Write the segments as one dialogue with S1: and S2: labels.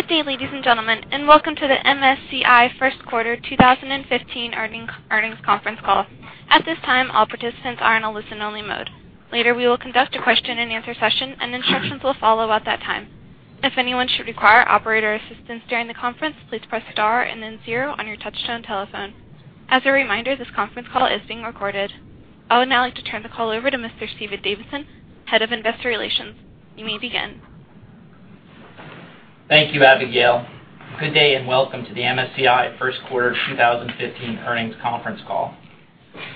S1: Good day, ladies and gentlemen, and welcome to the MSCI First Quarter 2015 Earnings Conference Call. At this time, all participants are in a listen-only mode. Later, we will conduct a question-and-answer session, and instructions will follow at that time. If anyone should require operator assistance during the conference, please press star and then zero on your touchtone telephone. As a reminder, this conference call is being recorded. I would now like to turn the call over to Mr. Steven Davidson, Head of Investor Relations. You may begin.
S2: Thank you, Abigail. Good day, and welcome to the MSCI First Quarter 2015 Earnings Conference Call.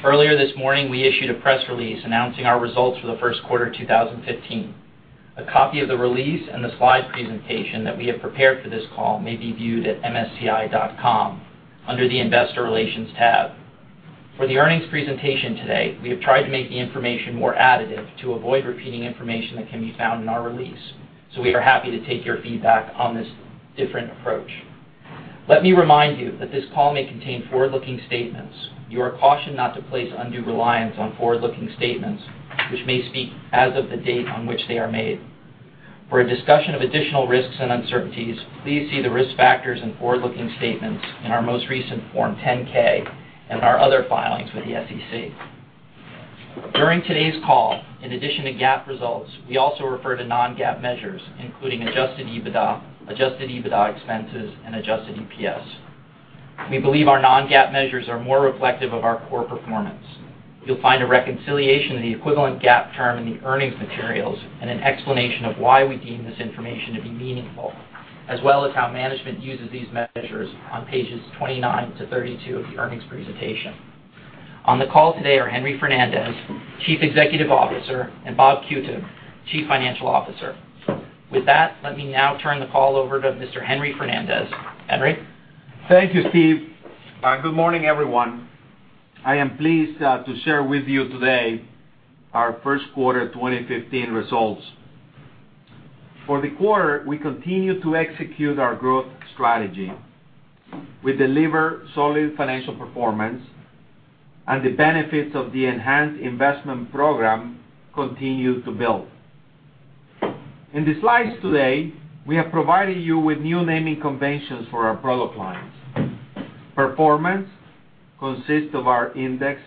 S2: Earlier this morning, we issued a press release announcing our results for the first quarter 2015. A copy of the release and the slide presentation that we have prepared for this call may be viewed at msci.com under the Investor Relations tab. For the earnings presentation today, we have tried to make the information more additive to avoid repeating information that can be found in our release, so we are happy to take your feedback on this different approach. Let me remind you that this call may contain forward-looking statements. You are cautioned not to place undue reliance on forward-looking statements which may speak as of the date on which they are made. For a discussion of additional risks and uncertainties, please see the risk factors and forward-looking statements in our most recent Form 10-K and our other filings with the SEC. During today's call, in addition to GAAP results, we also refer to non-GAAP measures, including adjusted EBITDA, adjusted EBITDA expenses, and adjusted EPS. We believe our non-GAAP measures are more reflective of our core performance. You'll find a reconciliation of the equivalent GAAP term in the earnings materials and an explanation of why we deem this information to be meaningful, as well as how management uses these measures on pages 29-32 of the earnings presentation. On the call today are Henry Fernandez, Chief Executive Officer, and Bob Qutub, Chief Financial Officer. With that, let me now turn the call over to Mr. Henry Fernandez. Henry.
S3: Thank you, Steve. Good morning, everyone. I am pleased to share with you today our first quarter 2015 results. For the quarter, we continued to execute our growth strategy. We deliver solid financial performance and the benefits of the enhanced investment program continue to build. In the slides today, we have provided you with new naming conventions for our product lines. Performance consists of our index,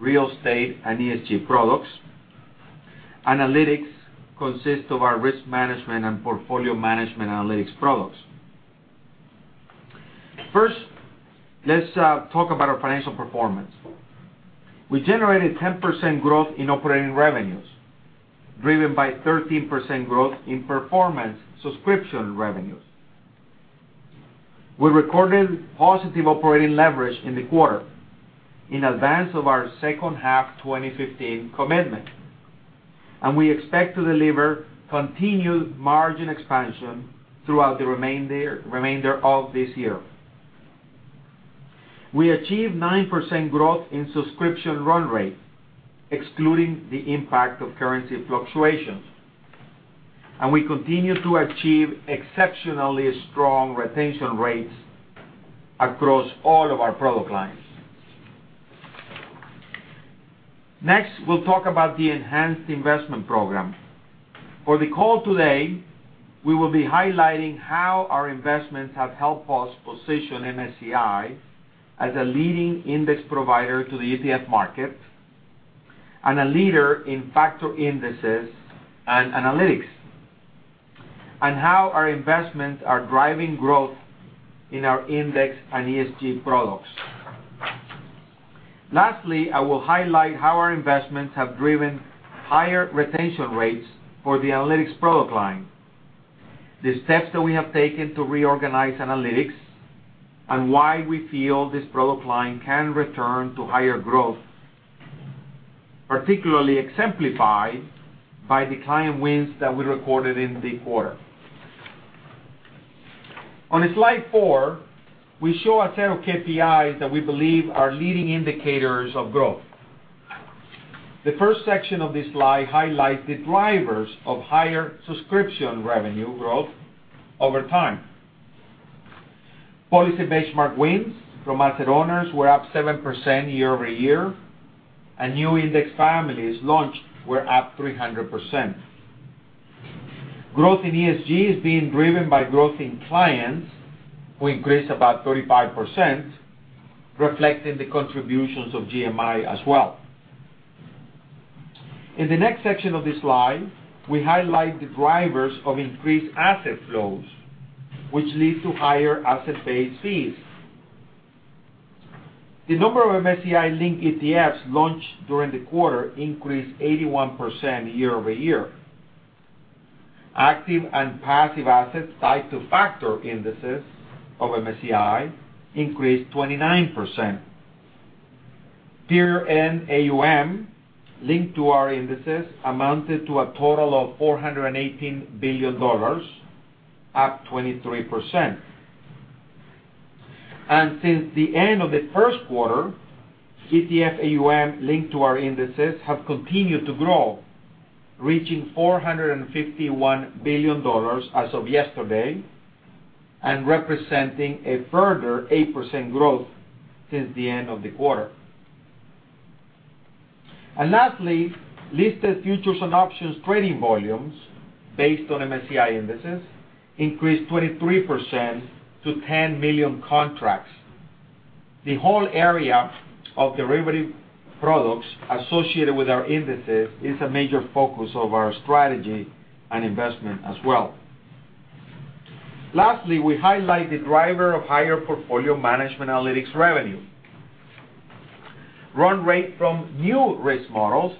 S3: real estate, and ESG products. Analytics consists of our risk management and portfolio management analytics products. First, let's talk about our financial performance. We generated 10% growth in operating revenues, driven by 13% growth in performance subscription revenues. We recorded positive operating leverage in the quarter in advance of our second-half 2015 commitment, and we expect to deliver continued margin expansion throughout the remainder of this year. We achieved 9% growth in subscription run rate, excluding the impact of currency fluctuations, and we continue to achieve exceptionally strong retention rates across all of our product lines. We'll talk about the enhanced investment program. For the call today, we will be highlighting how our investments have helped us position MSCI as a leading index provider to the ETF market and a leader in factor indices and analytics and how our investments are driving growth in our index and ESG products. I will highlight how our investments have driven higher retention rates for the analytics product line. The steps that we have taken to reorganize analytics and why we feel this product line can return to higher growth, particularly exemplified by the client wins that we recorded in the quarter. On slide four, we show a set of KPIs that we believe are leading indicators of growth. The first section of this slide highlights the drivers of higher subscription revenue growth over time. Policy benchmark wins from asset owners were up 7% year-over-year, and new index families launched were up 300%. Growth in ESG is being driven by growth in clients who increased about 35%, reflecting the contributions of GMI as well. In the next section of this slide, we highlight the drivers of increased asset flows, which lead to higher asset-based fees. The number of MSCI-linked ETFs launched during the quarter increased 81% year-over-year. Active and passive assets tied to factor indices of MSCI increased 29%. Period-end AUM linked to our indices amounted to a total of $418 billion, up 23%. Since the end of the first quarter, ETF AUM linked to our indices have continued to grow, reaching $451 billion as of yesterday and representing a further 8% growth since the end of the quarter. Lastly, listed futures and options trading volumes based on MSCI indices increased 23% to 10 million contracts. The whole area of derivative products associated with our indices is a major focus of our strategy and investment as well. Lastly, we highlight the driver of higher portfolio management analytics revenue. Run rate from new risk models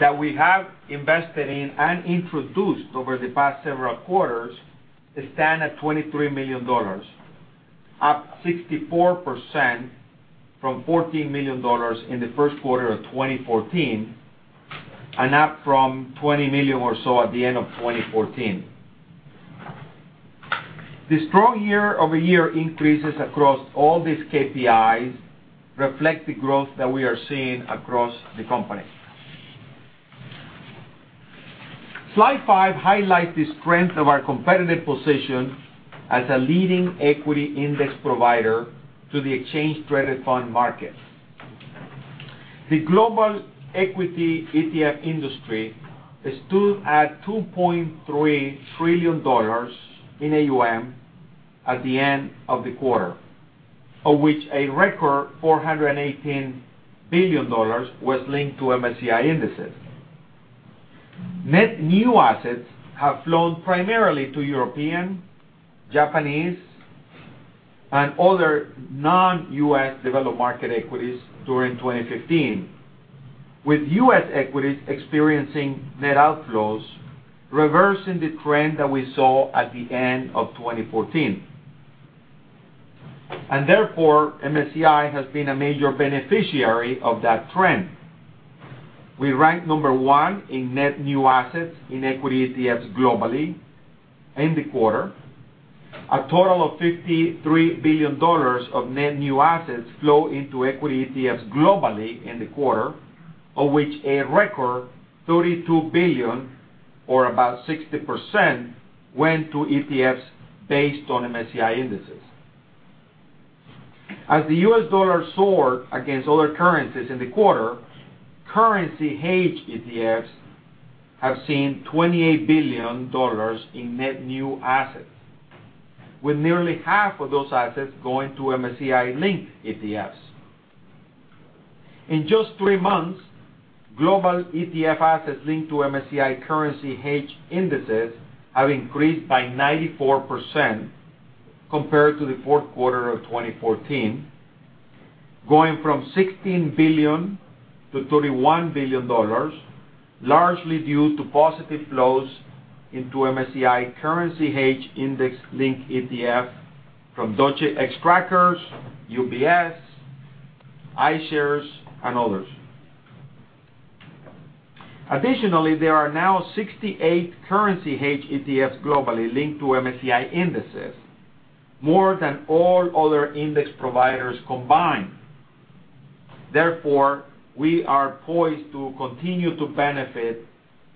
S3: that we have invested in and introduced over the past several quarters stand at $23 million, up 64% from $14 million in the first quarter of 2014 and up from $20 million or so at the end of 2014. The strong year-over-year increases across all these KPIs reflect the growth that we are seeing across the company. Slide five highlights the strength of our competitive position as a leading equity ETF provider to the exchange-traded fund market. The global equity ETF industry stood at $2.3 trillion in AUM at the end of the quarter, of which a record $418 billion was linked to MSCI indices. Net new assets have flown primarily to European, Japanese, and other non-U.S. developed market equities during 2015, with U.S. equities experiencing net outflows, reversing the trend that we saw at the end of 2014. Therefore, MSCI has been a major beneficiary of that trend. We rank number one in net new assets in equity ETFs globally in the quarter. A total of $53 billion of net new assets flow into equity ETFs globally in the quarter, of which a record $32 billion or about 60% went to ETFs based on MSCI indices. As the U.S. dollar soared against other currencies in the quarter, currency hedge ETFs have seen $28 billion in net new assets, with nearly half of those assets going to MSCI-linked ETFs. In just three months, global ETF assets linked to MSCI currency hedge indices have increased by 94% compared to the fourth quarter of 2014, going from $16 billion-$31 billion, largely due to positive flows into MSCI currency hedge index-linked ETF from Deutsche Xtrackers, UBS, iShares, and others. Additionally, there are now 68 currency hedge ETFs globally linked to MSCI indices, more than all other index providers combined. Therefore, we are poised to continue to benefit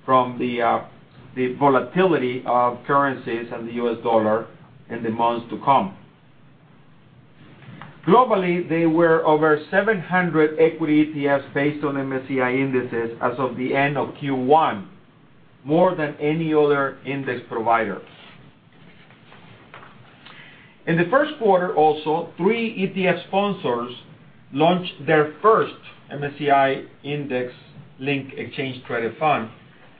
S3: from the volatility of currencies and the U.S. dollar in the months to come. Globally, there were over 700 equity ETFs based on MSCI indices as of the end of Q1, more than any other index provider. In the first quarter also, three ETF sponsors launched their first MSCI index-linked exchange traded fund,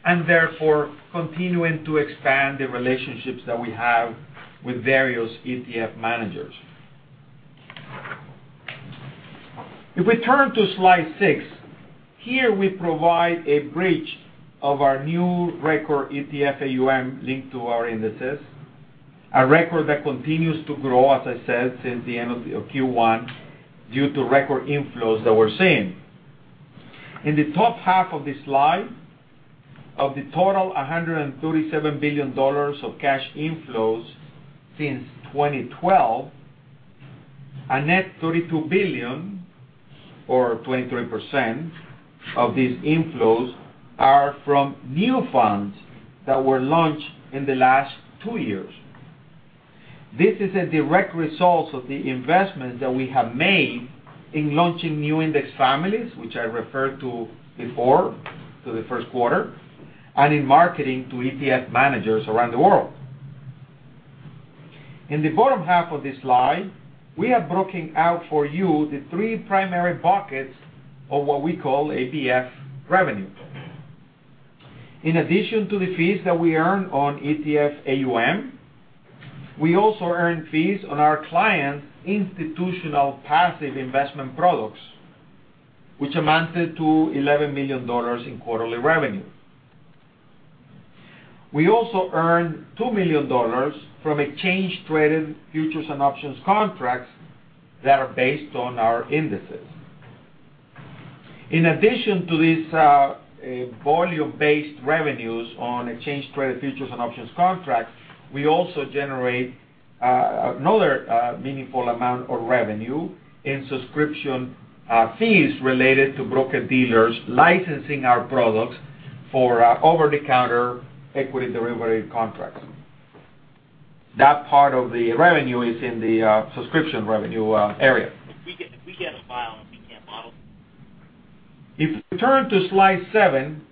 S3: and therefore continuing to expand the relationships that we have with various ETF managers. If we turn to slide six, here we provide a bridge of our new record ETF AUM linked to our indices, a record that continues to grow, as I said, since the end of Q1 due to record inflows that we're seeing. In the top half of the slide, of the total $137 billion of cash inflows since 2012, a net $32 billion or 23% of these inflows are from new funds that were launched in the las two years. This is a direct result of the investment that we have made in launching new index families, which I referred to before, to the first quarter, and in marketing to ETF managers around the world. In the bottom half of this slide, we have broken out for you the three primary buckets of what we call ETF revenue. In addition to the fees that we earn on ETF AUM, we also earn fees on our clients' institutional passive investment products, which amounted to $11 million in quarterly revenue. We also earned $2 million from exchange-traded futures and options contracts that are based on our indices. In addition to these, volume-based revenues on exchange-traded futures and options contracts, we also generate, another, meaningful amount of revenue in subscription, fees related to broker-dealers licensing our products for, over-the-counter equity derivative contracts. That part of the revenue is in the, subscription revenue, area.
S4: If we get a file and we can't model.
S3: If we turn to slide seven,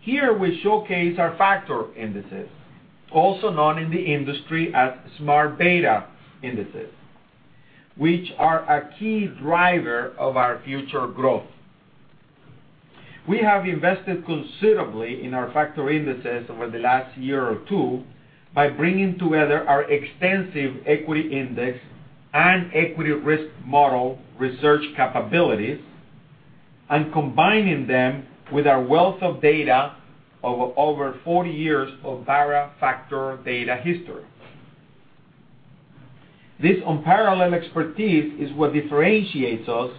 S3: here we showcase our factor indices, also known in the industry as smart beta indices, which are a key driver of our future growth. We have invested considerably in our factor indices over the last year or two by bringing together our extensive equity index and equity risk model research capabilities and combining them with our wealth of data over 40 years of Barra factor data history. This unparalleled expertise is what differentiates us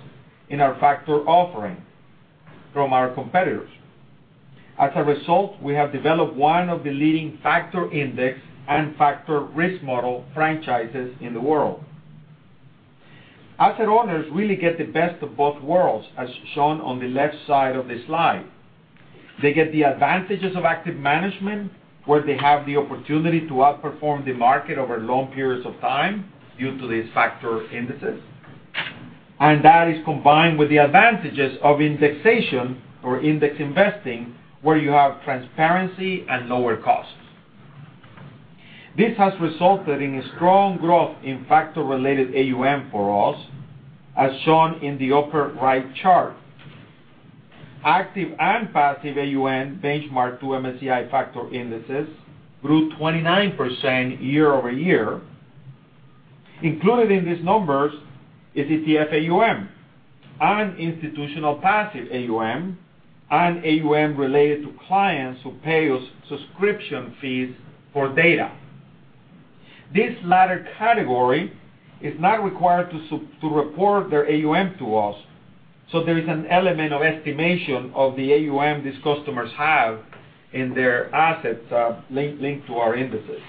S3: in our factor offering from our competitors. We have developed one of the leading factor index and factor risk model franchises in the world. Asset owners really get the best of both worlds, as shown on the left side of this slide. They get the advantages of active management, where they have the opportunity to outperform the market over long periods of time due to these factor indices. That is combined with the advantages of indexation or index investing, where you have transparency and lower costs. This has resulted in a strong growth in factor-related AUM for us, as shown in the upper right chart. Active and passive AUM benchmark to MSCI factor indices grew 29% year-over-year. Included in these numbers is ETF AUM and institutional passive AUM and AUM related to clients who pay us subscription fees for data. This latter category is not required to report their AUM to us, so there is an element of estimation of the AUM these customers have in their assets linked to our indices.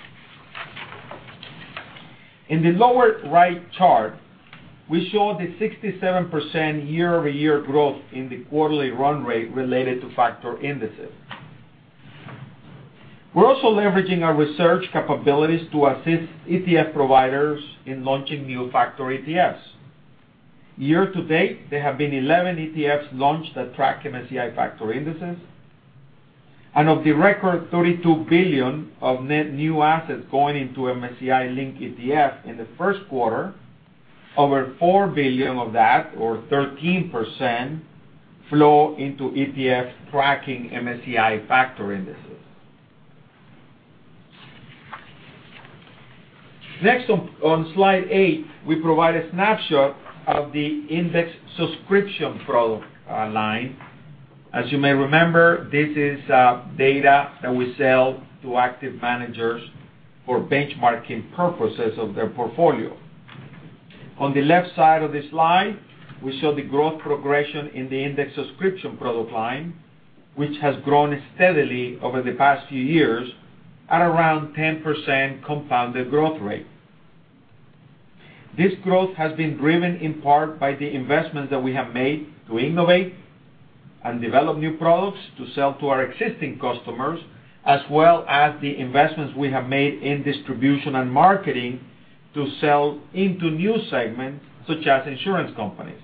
S3: In the lower right chart, we show the 67% year-over-year growth in the quarterly run rate related to factor indices. We're also leveraging our research capabilities to assist ETF providers in launching new factor ETFs. Year to date, there have been 11 ETFs launched that track MSCI factor indices. Of the record $32 billion of net new assets going into MSCI-linked ETF in the first quarter, over $4 billion of that, or 13%, flow into ETF tracking MSCI factor indices. Next, on slide eight, we provide a snapshot of the index subscription product line. As you may remember, this is data that we sell to active managers for benchmarking purposes of their portfolio. On the left side of this slide, we show the growth progression in the index subscription product line, which has grown steadily over the past few years at around 10% compounded growth rate. This growth has been driven in part by the investments that we have made to innovate and develop new products to sell to our existing customers, as well as the investments we have made in distribution and marketing to sell into new segments, such as insurance companies.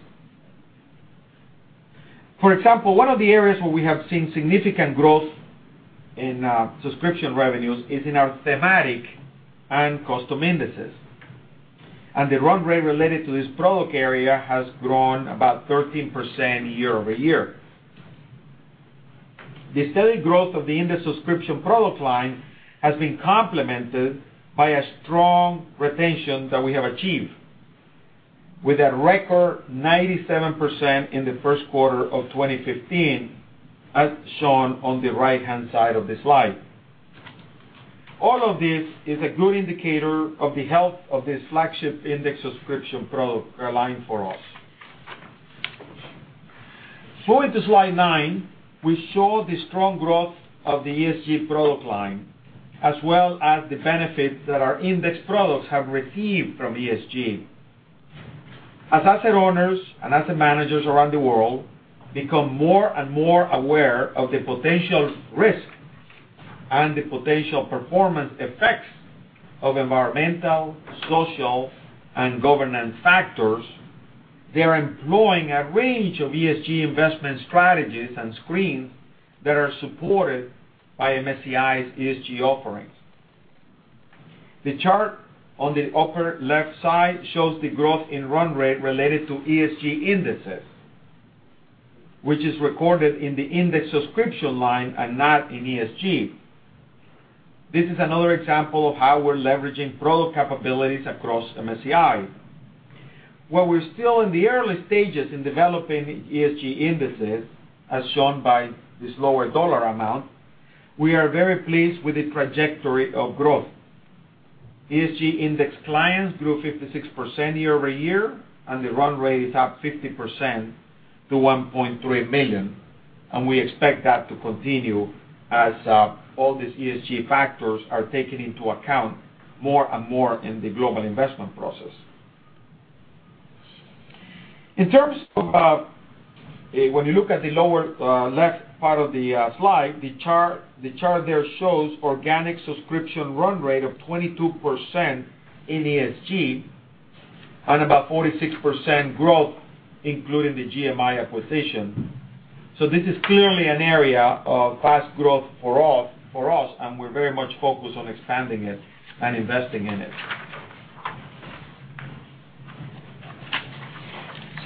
S3: For example, one of the areas where we have seen significant growth in subscription revenues is in our thematic and custom indices. The run rate related to this product area has grown about 13% year-over-year. The steady growth of the index subscription product line has been complemented by a strong retention that we have achieved with a record 97% in the first quarter of 2015, as shown on the right-hand side of the slide. All of this is a good indicator of the health of this flagship index subscription product line for us. Going to slide nine, we show the strong growth of the ESG product line, as well as the benefits that our index products have received from ESG. As asset owners and asset managers around the world become more and more aware of the potential risk and the potential performance effects of environmental, social, and governance factors, they are employing a range of ESG investment strategies and screens that are supported by MSCI's ESG offerings. The chart on the upper left side shows the growth in run rate related to ESG indices, which is recorded in the index subscription line and not in ESG. This is another example of how we're leveraging product capabilities across MSCI. While we're still in the early stages in developing ESG indices, as shown by this lower dollar amount, we are very pleased with the trajectory of growth. ESG index clients grew 56% year-over-year, and the run rate is up 50% to $1.3 million, and we expect that to continue as all these ESG factors are taken into account more and more in the global investment process. In terms of when you look at the lower left part of the slide, the chart, the chart there shows organic subscription run rate of 22% in ESG and about 46% growth, including the GMI acquisition. This is clearly an area of fast growth for us, and we're very much focused on expanding it and investing in it.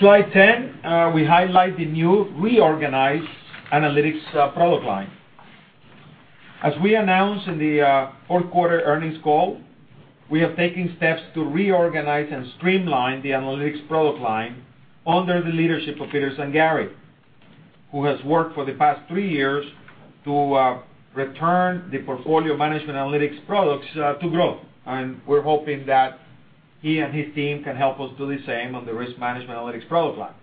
S3: Slide 10, we highlight the new reorganized analytics product line. As we announced in the fourth quarter earnings call, we are taking steps to reorganize and streamline the analytics product line under the leadership of Peter Zangari, who has worked for the past three years to return the portfolio management analytics products to growth. We're hoping that he and his team can help us do the same on the risk management analytics product line.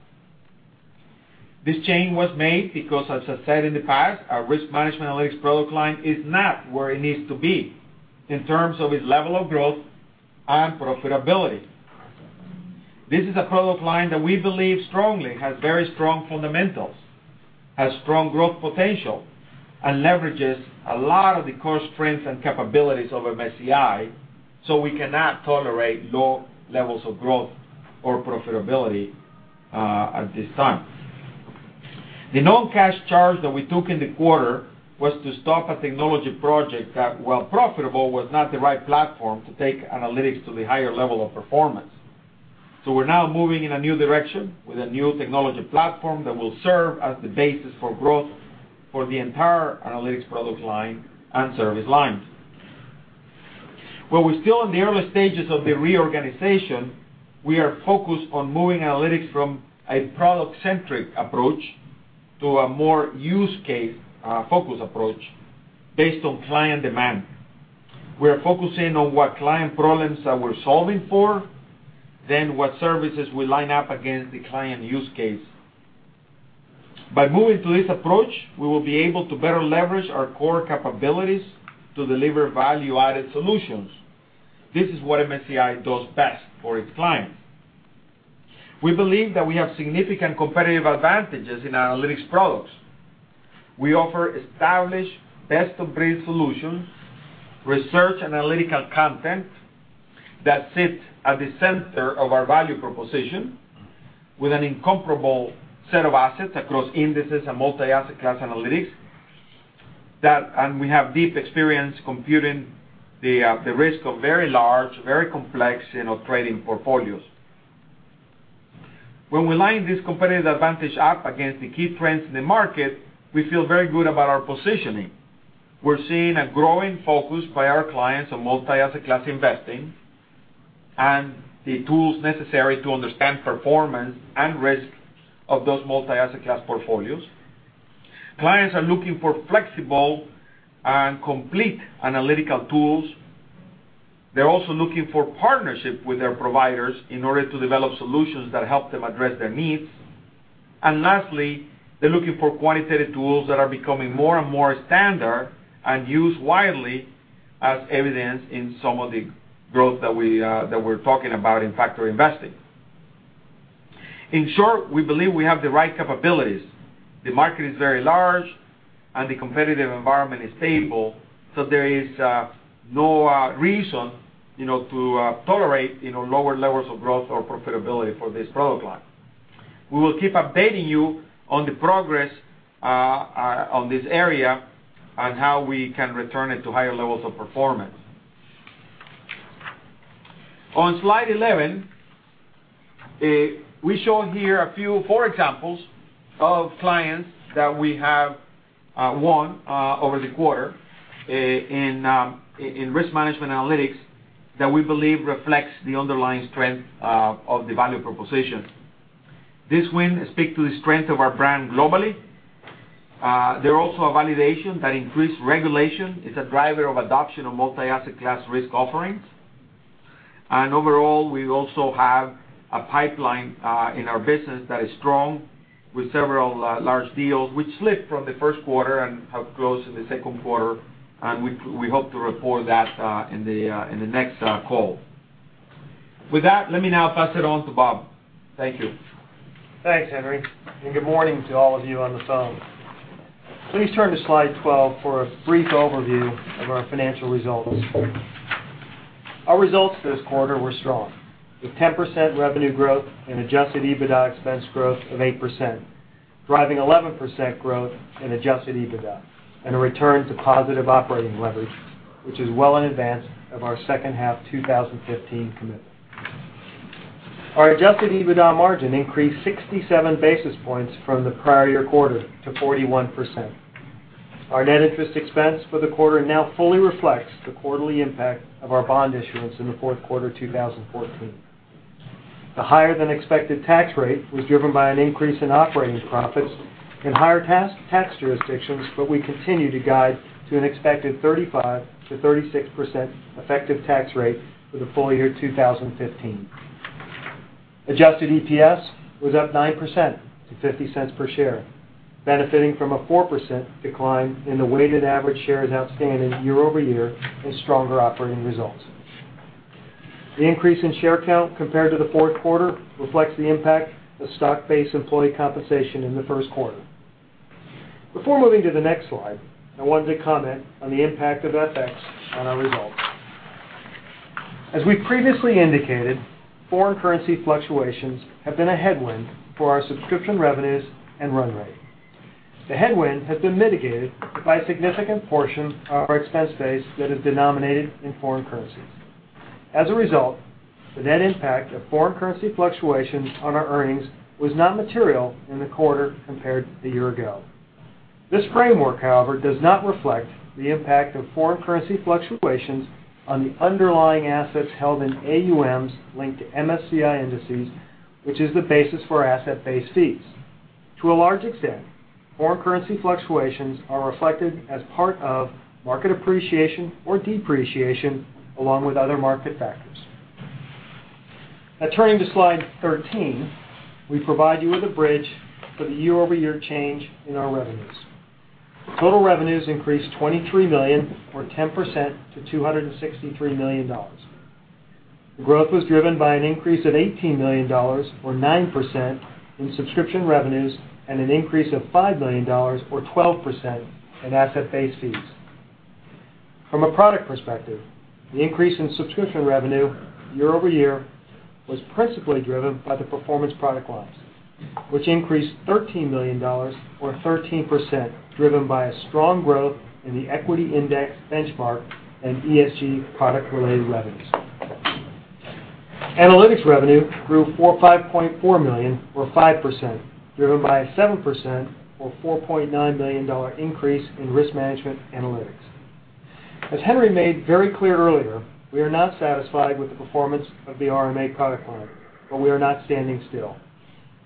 S3: This change was made because, as I said in the past, our risk management analytics product line is not where it needs to be in terms of its level of growth and profitability. This is a product line that we believe strongly has very strong fundamentals, has strong growth potential, and leverages a lot of the core strengths and capabilities of MSCI, so we cannot tolerate low levels of growth or profitability at this time. The non-cash charge that we took in the quarter was to stop a technology project that, while profitable, was not the right platform to take analytics to the higher level of performance. We're now moving in a new direction with a new technology platform that will serve as the basis for growth for the entire analytics product line and service lines. While we're still in the early stages of the reorganization, we are focused on moving analytics from a product-centric approach to a more use case, focused approach based on client demand. We are focusing on what client problems that we're solving for, then what services will line up against the client use case. By moving to this approach, we will be able to better leverage our core capabilities to deliver value-added solutions. This is what MSCI does best for its clients. We believe that we have significant competitive advantages in analytics products. We offer established best-of-breed solutions, research analytical content that sits at the center of our value proposition with an incomparable set of assets across indices and multi-asset class analytics. We have deep experience computing the risk of very large, very complex, you know, trading portfolios. When we line this competitive advantage up against the key trends in the market, we feel very good about our positioning. We're seeing a growing focus by our clients on multi-asset class investing and the tools necessary to understand performance and risk of those multi-asset class portfolios. Clients are looking for flexible and complete analytical tools. They're also looking for partnership with their providers in order to develop solutions that help them address their needs. Lastly, they're looking for quantitative tools that are becoming more and more standard and used widely as evidenced in some of the growth that we that we're talking about in factor investing. In short, we believe we have the right capabilities. The market is very large and the competitive environment is stable. There is no reason, you know, to tolerate, you know, lower levels of growth or profitability for this product line. We will keep updating you on the progress on this area on how we can return it to higher levels of performance. On slide 11, we show here four examples of clients that we have won over the quarter in risk management analytics that we believe reflects the underlying strength of the value proposition. This win speak to the strength of our brand globally. They're also a validation that increased regulation is a driver of adoption of multi-asset class risk offerings. Overall, we also have a pipeline in our business that is strong with several large deals which slipped from the first quarter and have closed in the second quarter, and we hope to report that in the next call. With that, let me now pass it on to Bob. Thank you.
S5: Thanks, Henry. Good morning to all of you on the phone. Please turn to slide 12 for a brief overview of our financial results. Our results this quarter were strong, with 10% revenue growth and adjusted EBITDA expense growth of 8%, driving 11% growth in adjusted EBITDA and a return to positive operating leverage, which is well in advance of our second half 2015 commitment. Our adjusted EBITDA margin increased 67 basis points from the prior year quarter to 41%. Our net interest expense for the quarter now fully reflects the quarterly impact of our bond issuance in the fourth quarter 2014. The higher-than-expected tax rate was driven by an increase in operating profits in higher tax jurisdictions, but we continue to guide to an expected 35%-36% effective tax rate for the full year 2015. Adjusted EPS was up 9% to $0.50 per share. Benefiting from a 4% decline in the weighted average shares outstanding year-over-year and stronger operating results. The increase in share count compared to the fourth quarter reflects the impact of stock-based employee compensation in the first quarter. Before moving to the next slide, I wanted to comment on the impact of FX on our results. As we previously indicated, foreign currency fluctuations have been a headwind for our subscription revenues and run rate. The headwind has been mitigated by a significant portion of our expense base that is denominated in foreign currencies. As a result, the net impact of foreign currency fluctuations on our earnings was not material in the quarter compared to a year ago. This framework, however, does not reflect the impact of foreign currency fluctuations on the underlying assets held in AUMs linked to MSCI indices, which is the basis for our asset-based fees. To a large extent, foreign currency fluctuations are reflected as part of market appreciation or depreciation, along with other market factors. Now turning to slide 13, we provide you with a bridge for the year-over-year change in our revenues. Total revenues increased $23 million, or 10%, to $263 million. The growth was driven by an increase of $18 million, or 9%, in subscription revenues and an increase of $5 million, or 12%, in asset-based fees. From a product perspective, the increase in subscription revenue year-over-year was principally driven by the performance product lines, which increased $13 million or 13%, driven by a strong growth in the equity index benchmark and ESG product-related revenues. Analytics revenue grew $5.4 million, or 5%, driven by a 7%, or $4.9 million increase in risk management analytics. As Henry made very clear earlier, we are not satisfied with the performance of the RMA product line, but we are not standing still.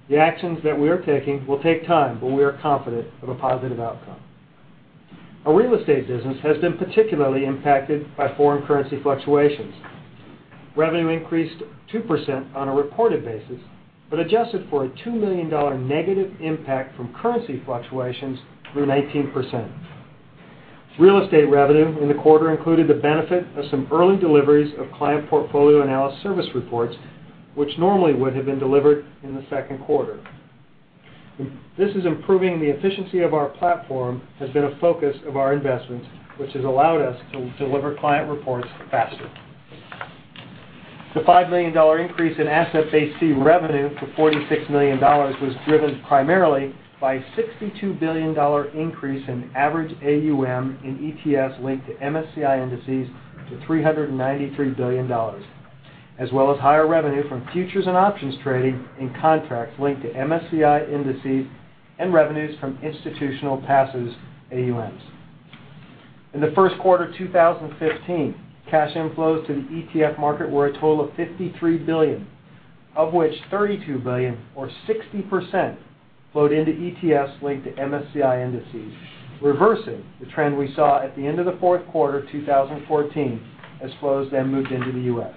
S5: The actions that we are taking will take time, but we are confident of a positive outcome. Our real estate business has been particularly impacted by foreign currency fluctuations. Revenue increased 2% on a reported basis, but adjusted for a $2 million negative impact from currency fluctuations through 19%. Real estate revenue in the quarter included the benefit of some early deliveries of client portfolio analysis service reports, which normally would have been delivered in the second quarter. This is improving the efficiency of our platform, has been a focus of our investments, which has allowed us to deliver client reports faster. The $5 million increase in asset-based fee revenue to $46 million was driven primarily by $62 billion increase in average AUM in ETFs linked to MSCI indices to $393 billion, as well as higher revenue from futures and options trading in contracts linked to MSCI indices and revenues from institutional passive AUMs. In the first quarter 2015, cash inflows to the ETF market were a total of $53 billion, of which $32 billion, or 60%, flowed into ETFs linked to MSCI indices, reversing the trend we saw at the end of the fourth quarter 2014 as flows then moved into the U.S.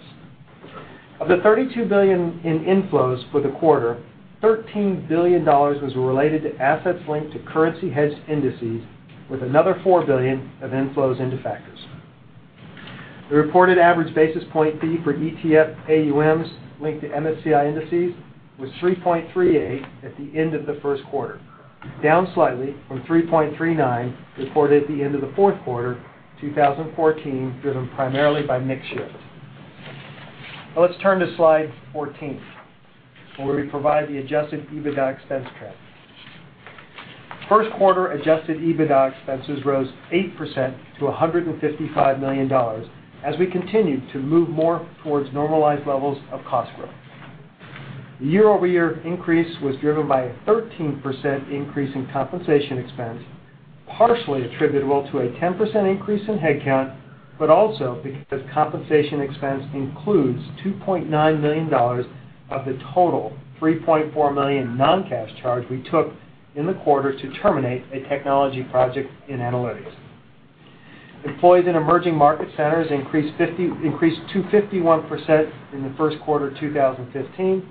S5: Of the $32 billion in inflows for the quarter, $13 billion was related to assets linked to currency hedge indices, with another $4 billion of inflows into factors. The reported average basis point fee for ETF AUMs linked to MSCI indices was 3.38 at the end of the first quarter, down slightly from 3.39 reported at the end of the fourth quarter 2014, driven primarily by mix shift. Let's turn to slide 14, where we provide the adjusted EBITDA expense trend. First quarter adjusted EBITDA expenses rose 8% to $155 million as we continue to move more towards normalized levels of cost growth. The year-over-year increase was driven by a 13% increase in compensation expense, partially attributable to a 10% increase in headcount, but also because compensation expense includes $2.9 million of the total $3.4 million non-cash charge we took in the quarter to terminate a technology project in analytics. Employees in emerging market centers increased to 51% in the first quarter 2015,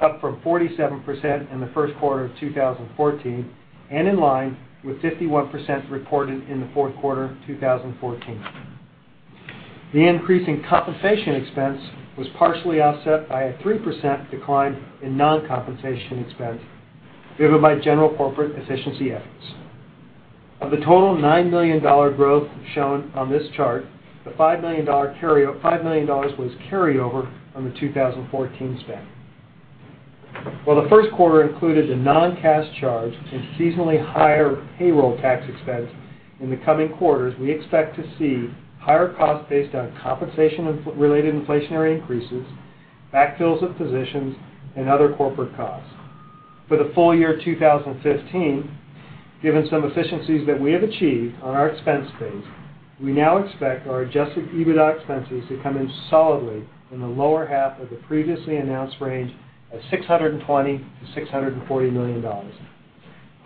S5: up from 47% in the first quarter of 2014 and in line with 51% reported in the fourth quarter 2014. The increase in compensation expense was partially offset by a 3% decline in non-compensation expense driven by general corporate efficiency efforts. Of the total $9 million growth shown on this chart, the $5 million was carryover from the 2014 spend. While the first quarter included a non-cash charge and seasonally higher payroll tax expense, in the coming quarters, we expect to see higher costs based on compensation-related inflationary increases, backfills of positions, and other corporate costs. For the full year 2015, given some efficiencies that we have achieved on our expense base, we now expect our adjusted EBITDA expenses to come in solidly in the lower half of the previously announced range of $620 million-$640 million.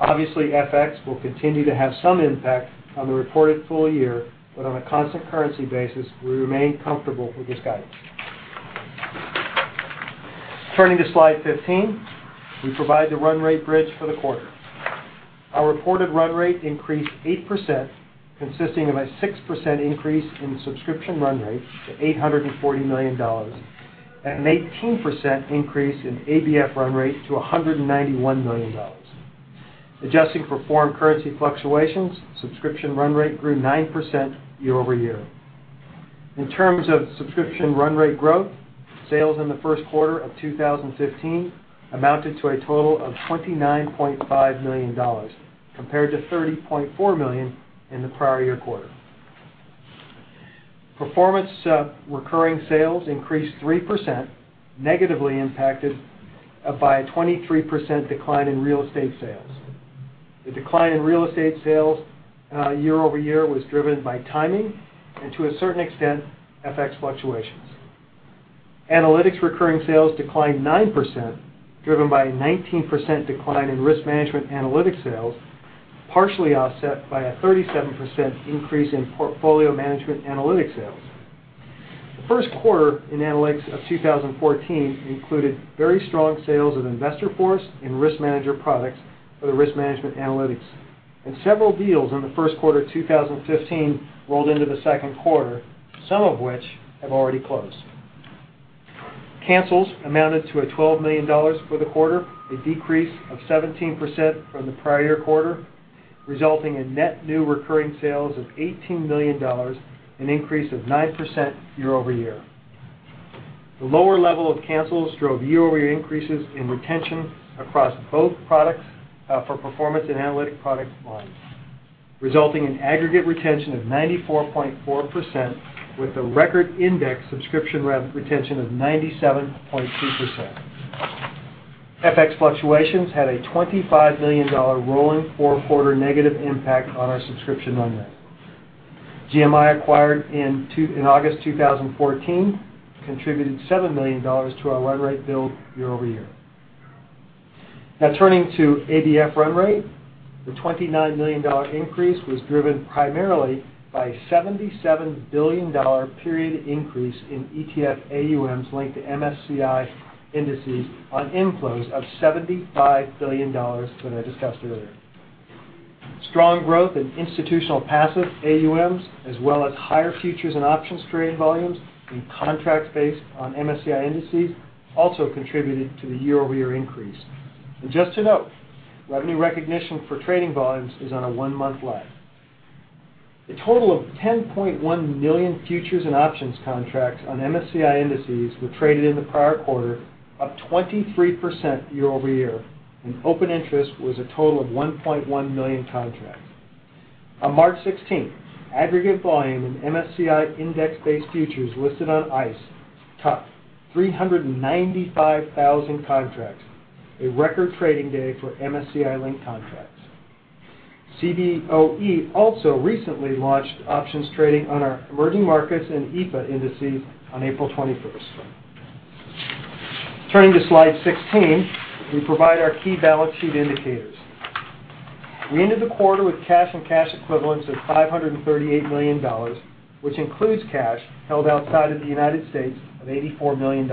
S5: Obviously, FX will continue to have some impact on the reported full year, but on a constant currency basis, we remain comfortable with this guidance. Turning to slide 15, we provide the run rate bridge for the quarter. Our reported run rate increased 8%, consisting of a 6% increase in subscription run rate to $840 million and an 18% increase in ABF run rate to $191 million. Adjusting for foreign currency fluctuations, subscription run rate grew 9% year-over-year. In terms of subscription run rate growth, sales in the first quarter of 2015 amounted to a total of $29.5 million compared to $30.4 million in the prior year quarter. Performance, recurring sales increased 3%, negatively impacted by a 23% decline in real estate sales. The decline in real estate sales, year-over-year was driven by timing and to a certain extent, FX fluctuations. Analytics recurring sales declined 9%, driven by a 19% decline in risk management analytics sales, partially offset by a 37% increase in portfolio management analytics sales. The first quarter in analytics of 2014 included very strong sales of InvestorForce and RiskManager products for the risk management analytics, and several deals in the first quarter of 2015 rolled into the second quarter, some of which have already closed. Cancels amounted to $12 million for the quarter, a decrease of 17% from the prior quarter, resulting in net new recurring sales of $18 million, an increase of 9% year-over-year. The lower level of cancels drove year-over-year increases in retention across both products, for performance and analytic product lines, resulting in aggregate retention of 94.4% with a record index subscription retention of 97.2%. FX fluctuations had a $25 million rolling four-quarter negative impact on our subscription run rate. GMI acquired in August 2014 contributed $7 million to our run rate build year-over-year. Now, turning to ABF run rate, the $29 million increase was driven primarily by $77 billion period increase in ETF AUMs linked to MSCI indices on inflows of $75 billion that I discussed earlier. Strong growth in institutional passive AUMs, as well as higher futures and options trading volumes and contracts based on MSCI indices also contributed to the year-over-year increase. Just to note, revenue recognition for trading volumes is on a one-month lag. A total of 10.1 million futures and options contracts on MSCI indices were traded in the prior quarter, up 23% year-over-year, and open interest was a total of 1.1 million contracts. On March 16th, aggregate volume in MSCI index-based futures listed on ICE topped 395,000 contracts, a record trading day for MSCI-linked contracts. CBOE also recently launched options trading on our emerging markets and EAFE indices on April 21st. Turning to slide 16, we provide our key balance sheet indicators. We ended the quarter with cash and cash equivalents of $538 million, which includes cash held outside of the U.S. of $84 million.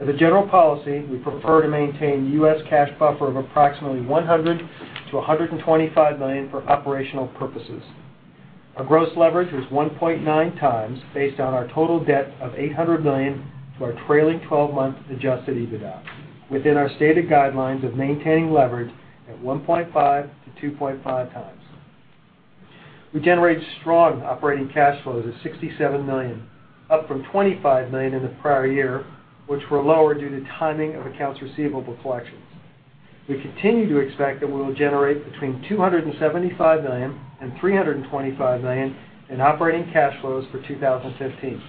S5: As a general policy, we prefer to maintain U.S. cash buffer of approximately $100 million-$125 million for operational purposes. Our gross leverage was 1.9x based on our total debt of $800 million to our trailing twelve-month adjusted EBITDA, within our stated guidelines of maintaining leverage at 1.5x-2.5x. We generated strong operating cash flows of $67 million, up from $25 million in the prior year, which were lower due to timing of accounts receivable collections. We continue to expect that we will generate between $275 million and $325 million in operating cash flows for 2015.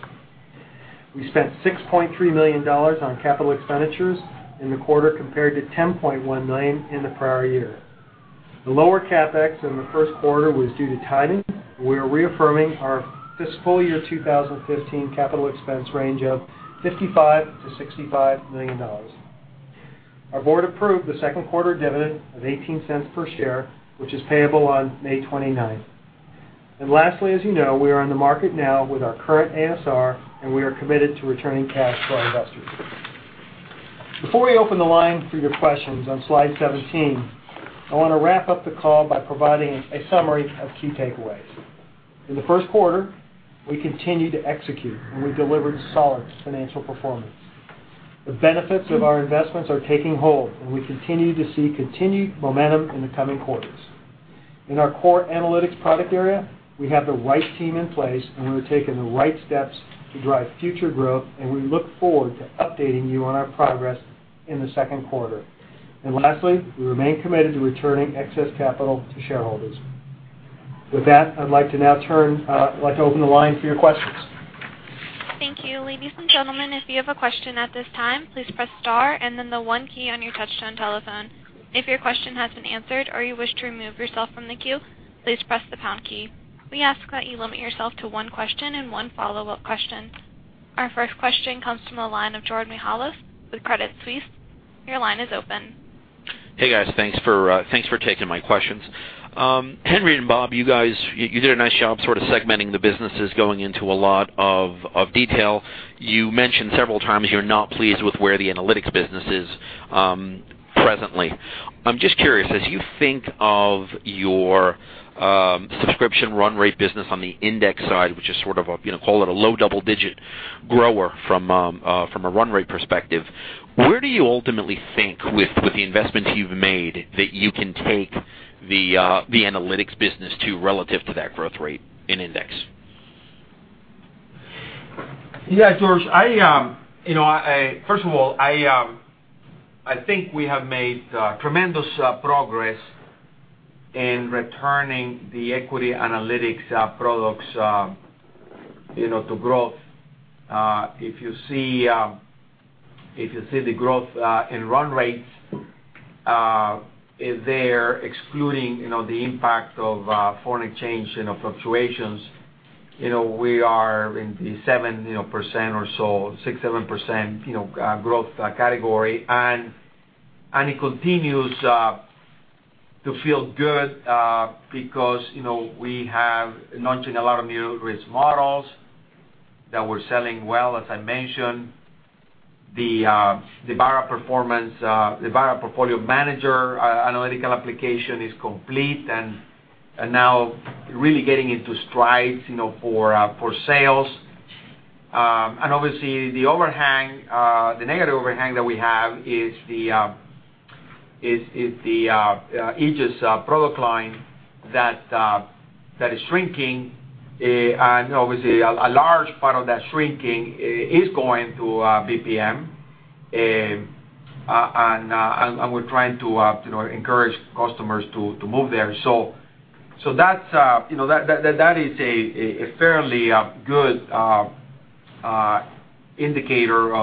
S5: We spent $6.3 million on capital expenditures in the quarter compared to $10.1 million in the prior year. The lower CapEx in the first quarter was due to timing. We are reaffirming our fiscal year 2015 capital expense range of $55 million-$65 million. Our board approved the second quarter dividend of $0.18 per share, which is payable on May 29th. Lastly, as you know, we are in the market now with our current ASR, and we are committed to returning cash to our investors. Before we open the line for your questions on slide 17, I want to wrap up the call by providing a summary of key takeaways. In the first quarter, we continued to execute, and we delivered solid financial performance. The benefits of our investments are taking hold, and we continue to see continued momentum in the coming quarters. In our core analytics product area, we have the right team in place, and we are taking the right steps to drive future growth, and we look forward to updating you on our progress in the second quarter. Lastly, we remain committed to returning excess capital to shareholders. With that, I'd like to now open the line for your questions.
S1: Thank you. Ladies and gentlemen, if you have a question at this time, please press star and then the one key on your touchtone telephone. If your question has been answered or you wish to remove yourself from the queue, please press the pound key. We ask that you limit yourself to one question and one follow-up question. Our first question comes from the line of George Mihalos with Credit Suisse. Your line is open.
S6: Hey, guys. Thanks for, thanks for taking my questions. Henry and Bob, you guys, you did a nice job sort of segmenting the businesses, going into a lot of detail. You mentioned several times you're not pleased with where the analytics business is presently. I'm just curious, as you think of your subscription run rate business on the index side, which is sort of a, you know, call it a low double-digit grower from a run rate perspective, where do you ultimately think with the investments you've made that you can take the analytics business to relative to that growth rate in index?
S3: Yeah, George, I, you know, first of all, I think we have made tremendous progress in returning the equity analytics products, you know, to growth. If you see the growth in run rates there excluding, you know, the impact of foreign exchange, you know, fluctuations, you know, we are in the 7%, you know, or so, 6%-7%, you know, growth category. It continues to feel good because, you know, we have launched a lot of new risk models that we're selling well, as I mentioned. The Barra Performance, the Barra Portfolio Manager analytical application is complete and now really getting into strides, you know, for sales. Obviously the overhang, the negative overhang that we have is the Aegis product line that is shrinking. Obviously a large part of that shrinking is going to BPM, and we're trying to, you know, encourage customers to move there. That's, you know, that is a fairly good indicator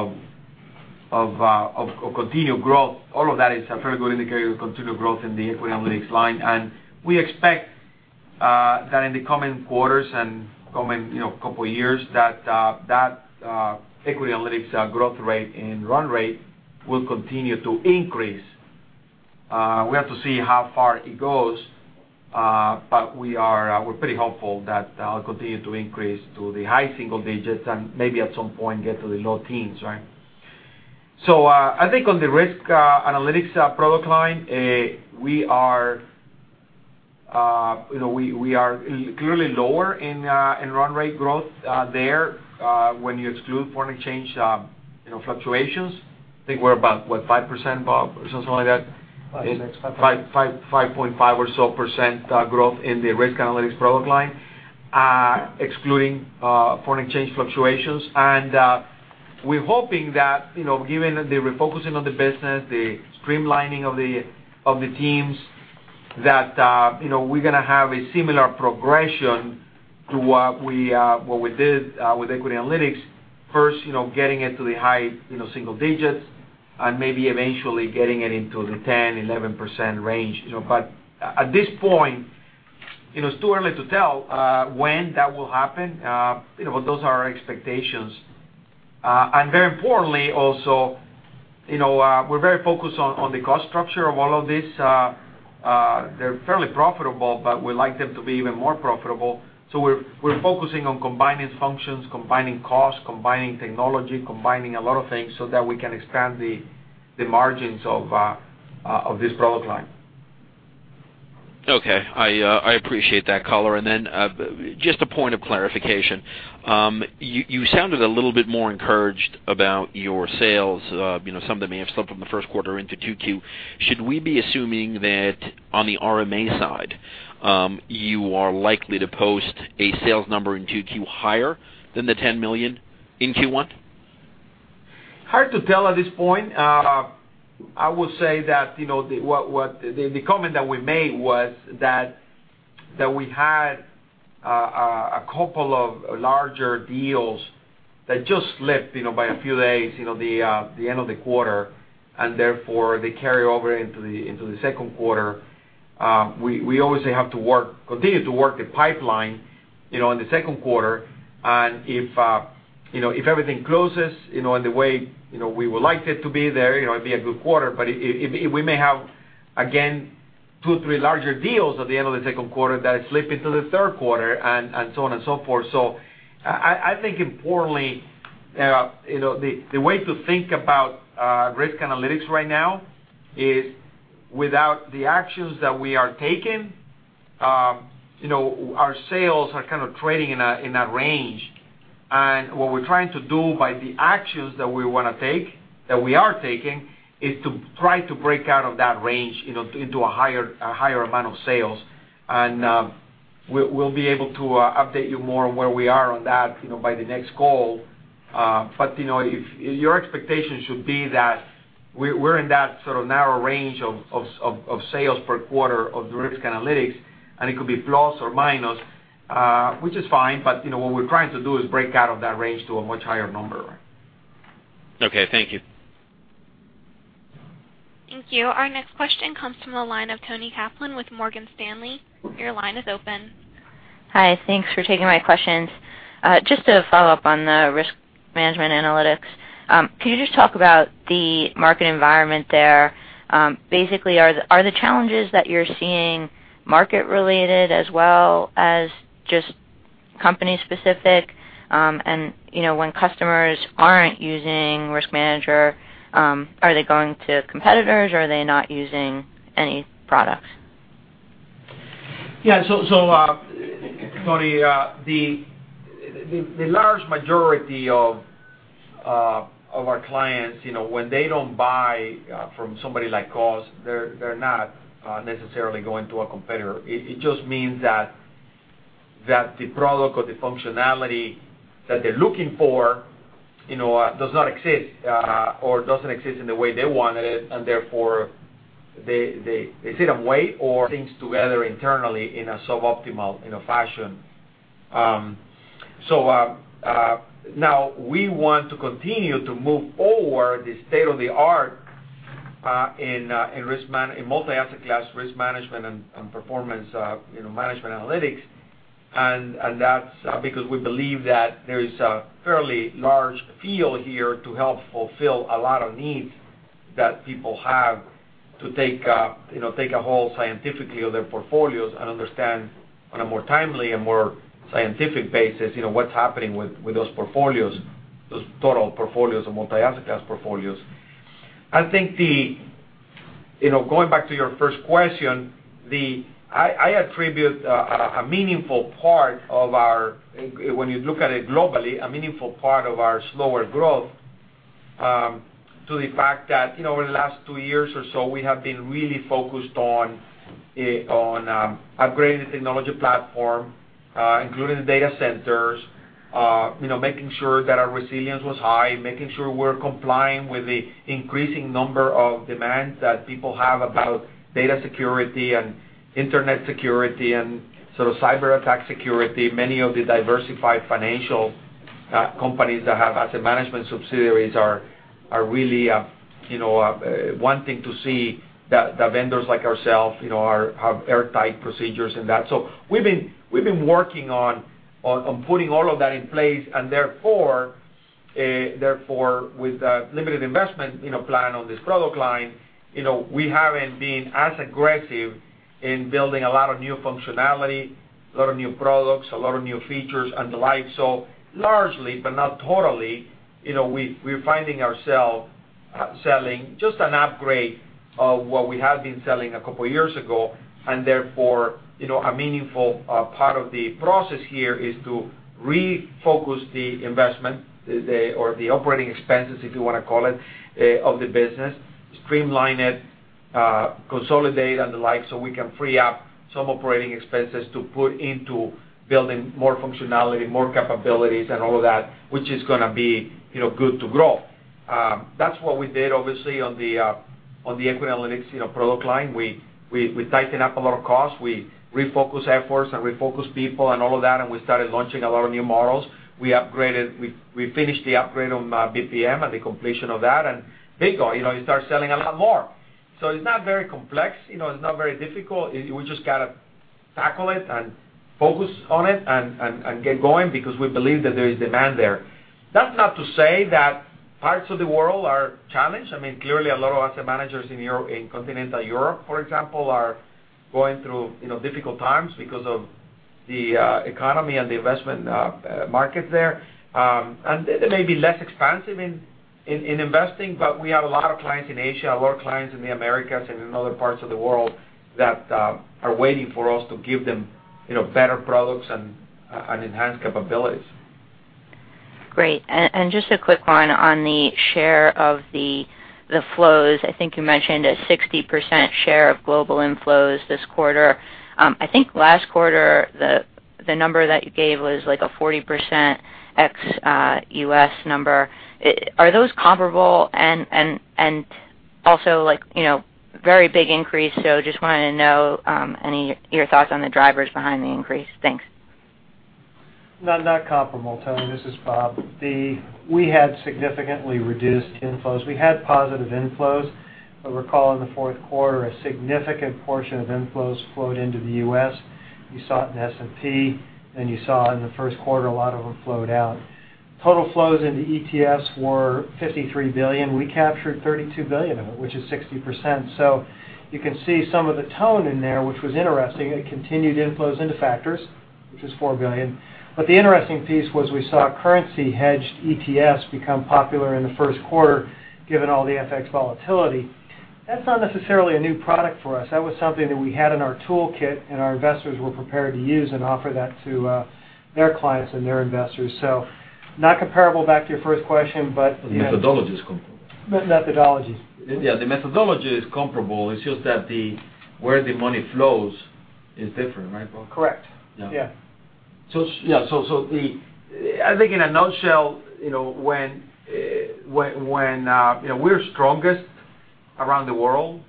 S3: of continued growth. All of that is a very good indicator of continued growth in the equity analytics line. We expect that in the coming quarters and coming, you know, couple of years that equity analytics growth rate and run rate will continue to increase. We have to see how far it goes, but we are, we're pretty hopeful that it'll continue to increase to the high single-digits and maybe at some point get to the low teens, right? I think on the risk analytics product line, we are, you know, we are clearly lower in run rate growth there, when you exclude foreign exchange, you know, fluctuations. I think we're about, what, 5%, Bob, or something like that? 5.5% or so growth in the risk analytics product line, excluding foreign exchange fluctuations. We're hoping that, you know, given the refocusing of the business, the streamlining of the teams, that, you know, we're gonna have a similar progression to what we did with equity analytics. First, you know, getting it to the high, you know, single digits and maybe eventually getting it into the 10%, 11% range, you know. At this point, you know, it's too early to tell when that will happen. You know, those are our expectations. Very importantly also, you know, we're very focused on the cost structure of all of this. They're fairly profitable, we like them to be even more profitable. We're focusing on combining functions, combining costs, combining technology, combining a lot of things so that we can expand the margins of this product line.
S6: Okay. I appreciate that color. Just a point of clarification. You sounded a little bit more encouraged about your sales, you know, some that may have slipped from the first quarter into 2Q. Should we be assuming that on the RMA side, you are likely to post a sales number in 2Q higher than the $10 million in Q1?
S3: Hard to tell at this point. I would say that, you know, the comment that we made was that we had a couple of larger deals that just slipped, you know, by a few days, you know, the end of the quarter, and therefore, they carry over into the second quarter. We obviously have to work, continue to work the pipeline, you know, in the second quarter. If, you know, if everything closes, you know, in the way, you know, we would like it to be there, you know, it'd be a good quarter. We may have, again, two, three larger deals at the end of the second quarter that slip into the third quarter and so on and so forth. I think importantly, you know, the way to think about risk analytics right now is without the actions that we are taking, you know, our sales are kind of trading in a range. What we're trying to do by the actions that we wanna take, that we are taking, is to try to break out of that range, you know, into a higher amount of sales. We'll be able to update you more on where we are on that, you know, by the next call. Your expectation should be that we're in that sort of narrow range of sales per quarter of the risk analytics, and it could be plus or minus, which is fine. You know, what we're trying to do is break out of that range to a much higher number.
S6: Okay. Thank you.
S1: Thank you. Our next question comes from the line of Toni Kaplan with Morgan Stanley. Your line is open.
S7: Hi. Thanks for taking my questions. Just to follow up on the risk management analytics, could you just talk about the market environment there? Basically are the challenges that you're seeing market-related as well as just company-specific? And, you know, when customers aren't using RiskManager, are they going to competitors or are they not using any products?
S3: Yeah. Toni, the large majority of our clients, you know, when they don't buy from somebody like us, they're not necessarily going to a competitor. It just means that the product or the functionality that they're looking for, you know, does not exist or doesn't exist in the way they wanted it, and therefore they sit and wait or things together internally in a suboptimal, you know, fashion. Now we want to continue to move forward the state-of-the-art in multi-asset class risk management and performance, you know, management analytics, and that's because we believe that there is a fairly large field here to help fulfill a lot of needs that people have to, you know, take a whole scientifically of their portfolios and understand on a more timely and more scientific basis, you know, what's happening with those portfolios, those total portfolios and multi-asset class portfolios. I think you know, going back to your first question, I attribute a meaningful part of our, when you look at it globally, a meaningful part of our slower growth, to the fact that, you know, over the last two years or so, we have been really focused on upgrading the technology platform, including the data centers, you know, making sure that our resilience was high, making sure we're complying with the increasing number of demands that people have about data security and internet security and sort of cyberattack security. Many of the diversified financial companies that have asset management subsidiaries are really, you know, wanting to see the vendors like ourself, you know, have airtight procedures and that. We've been working on putting all of that in place and therefore, with a limited investment, you know, plan on this product line, you know, we haven't been as aggressive in building a lot of new functionality, a lot of new products, a lot of new features and the like. Largely, but not totally, you know, we're finding ourself selling just an upgrade of what we have been selling a couple years ago, and therefore, you know, a meaningful part of the process here is to refocus the investment, the operating expenses, if you wanna call it, of the business, streamline it, consolidate and the like, so we can free up some operating expenses to put into building more functionality, more capabilities and all of that, which is gonna be, you know, good to grow. That's what we did obviously on the equity analytics, you know, product line. We tighten up a lot of costs. We refocused efforts and refocused people and all of that, and we started launching a lot of new models. We finished the upgrade on BPM and the completion of that, you know, you start selling a lot more. It's not very complex. You know, it's not very difficult. We just gotta tackle it and focus on it and get going because we believe that there is demand there. That's not to say that parts of the world are challenged. I mean, clearly, a lot of asset managers in Europe, in continental Europe, for example, are going through, you know, difficult times because of the economy and the investment market there. They may be less expansive in investing, but we have a lot of clients in Asia, a lot of clients in the Americas and in other parts of the world that are waiting for us to give them, you know, better products and enhanced capabilities.
S7: Great. Just a quick one on the share of the flows. I think you mentioned a 60% share of global inflows this quarter. I think last quarter, the number that you gave was like a 40% ex-U.S. number. Are those comparable? Also, like, you know, very big increase, so just wanted to know your thoughts on the drivers behind the increase. Thanks.
S5: No, not comparable, Toni. This is Bob. We had significantly reduced inflows. We had positive inflows, but recall in the fourth quarter, a significant portion of inflows flowed into the U.S. You saw it in the S&P, and you saw in the first quarter, a lot of them flowed out. Total flows into ETFs were $53 billion. We captured $32 billion of it, which is 60%. You can see some of the tone in there, which was interesting. It continued inflows into factors, which is $4 billion. The interesting piece was we saw currency-hedged ETFs become popular in the first quarter given all the FX volatility. That's not necessarily a new product for us. That was something that we had in our toolkit, and our investors were prepared to use and offer that to their clients and their investors, not comparable, back to your first question, but, you know-
S3: The methodology is comparable.
S5: Methodology.
S3: Yeah, the methodology is comparable. It's just that where the money flows is different, right, Bob?
S5: Correct.
S3: Yeah.
S5: Yeah.
S3: Yeah, so the I think in a nutshell, you know, when you know, we're strongest around the world,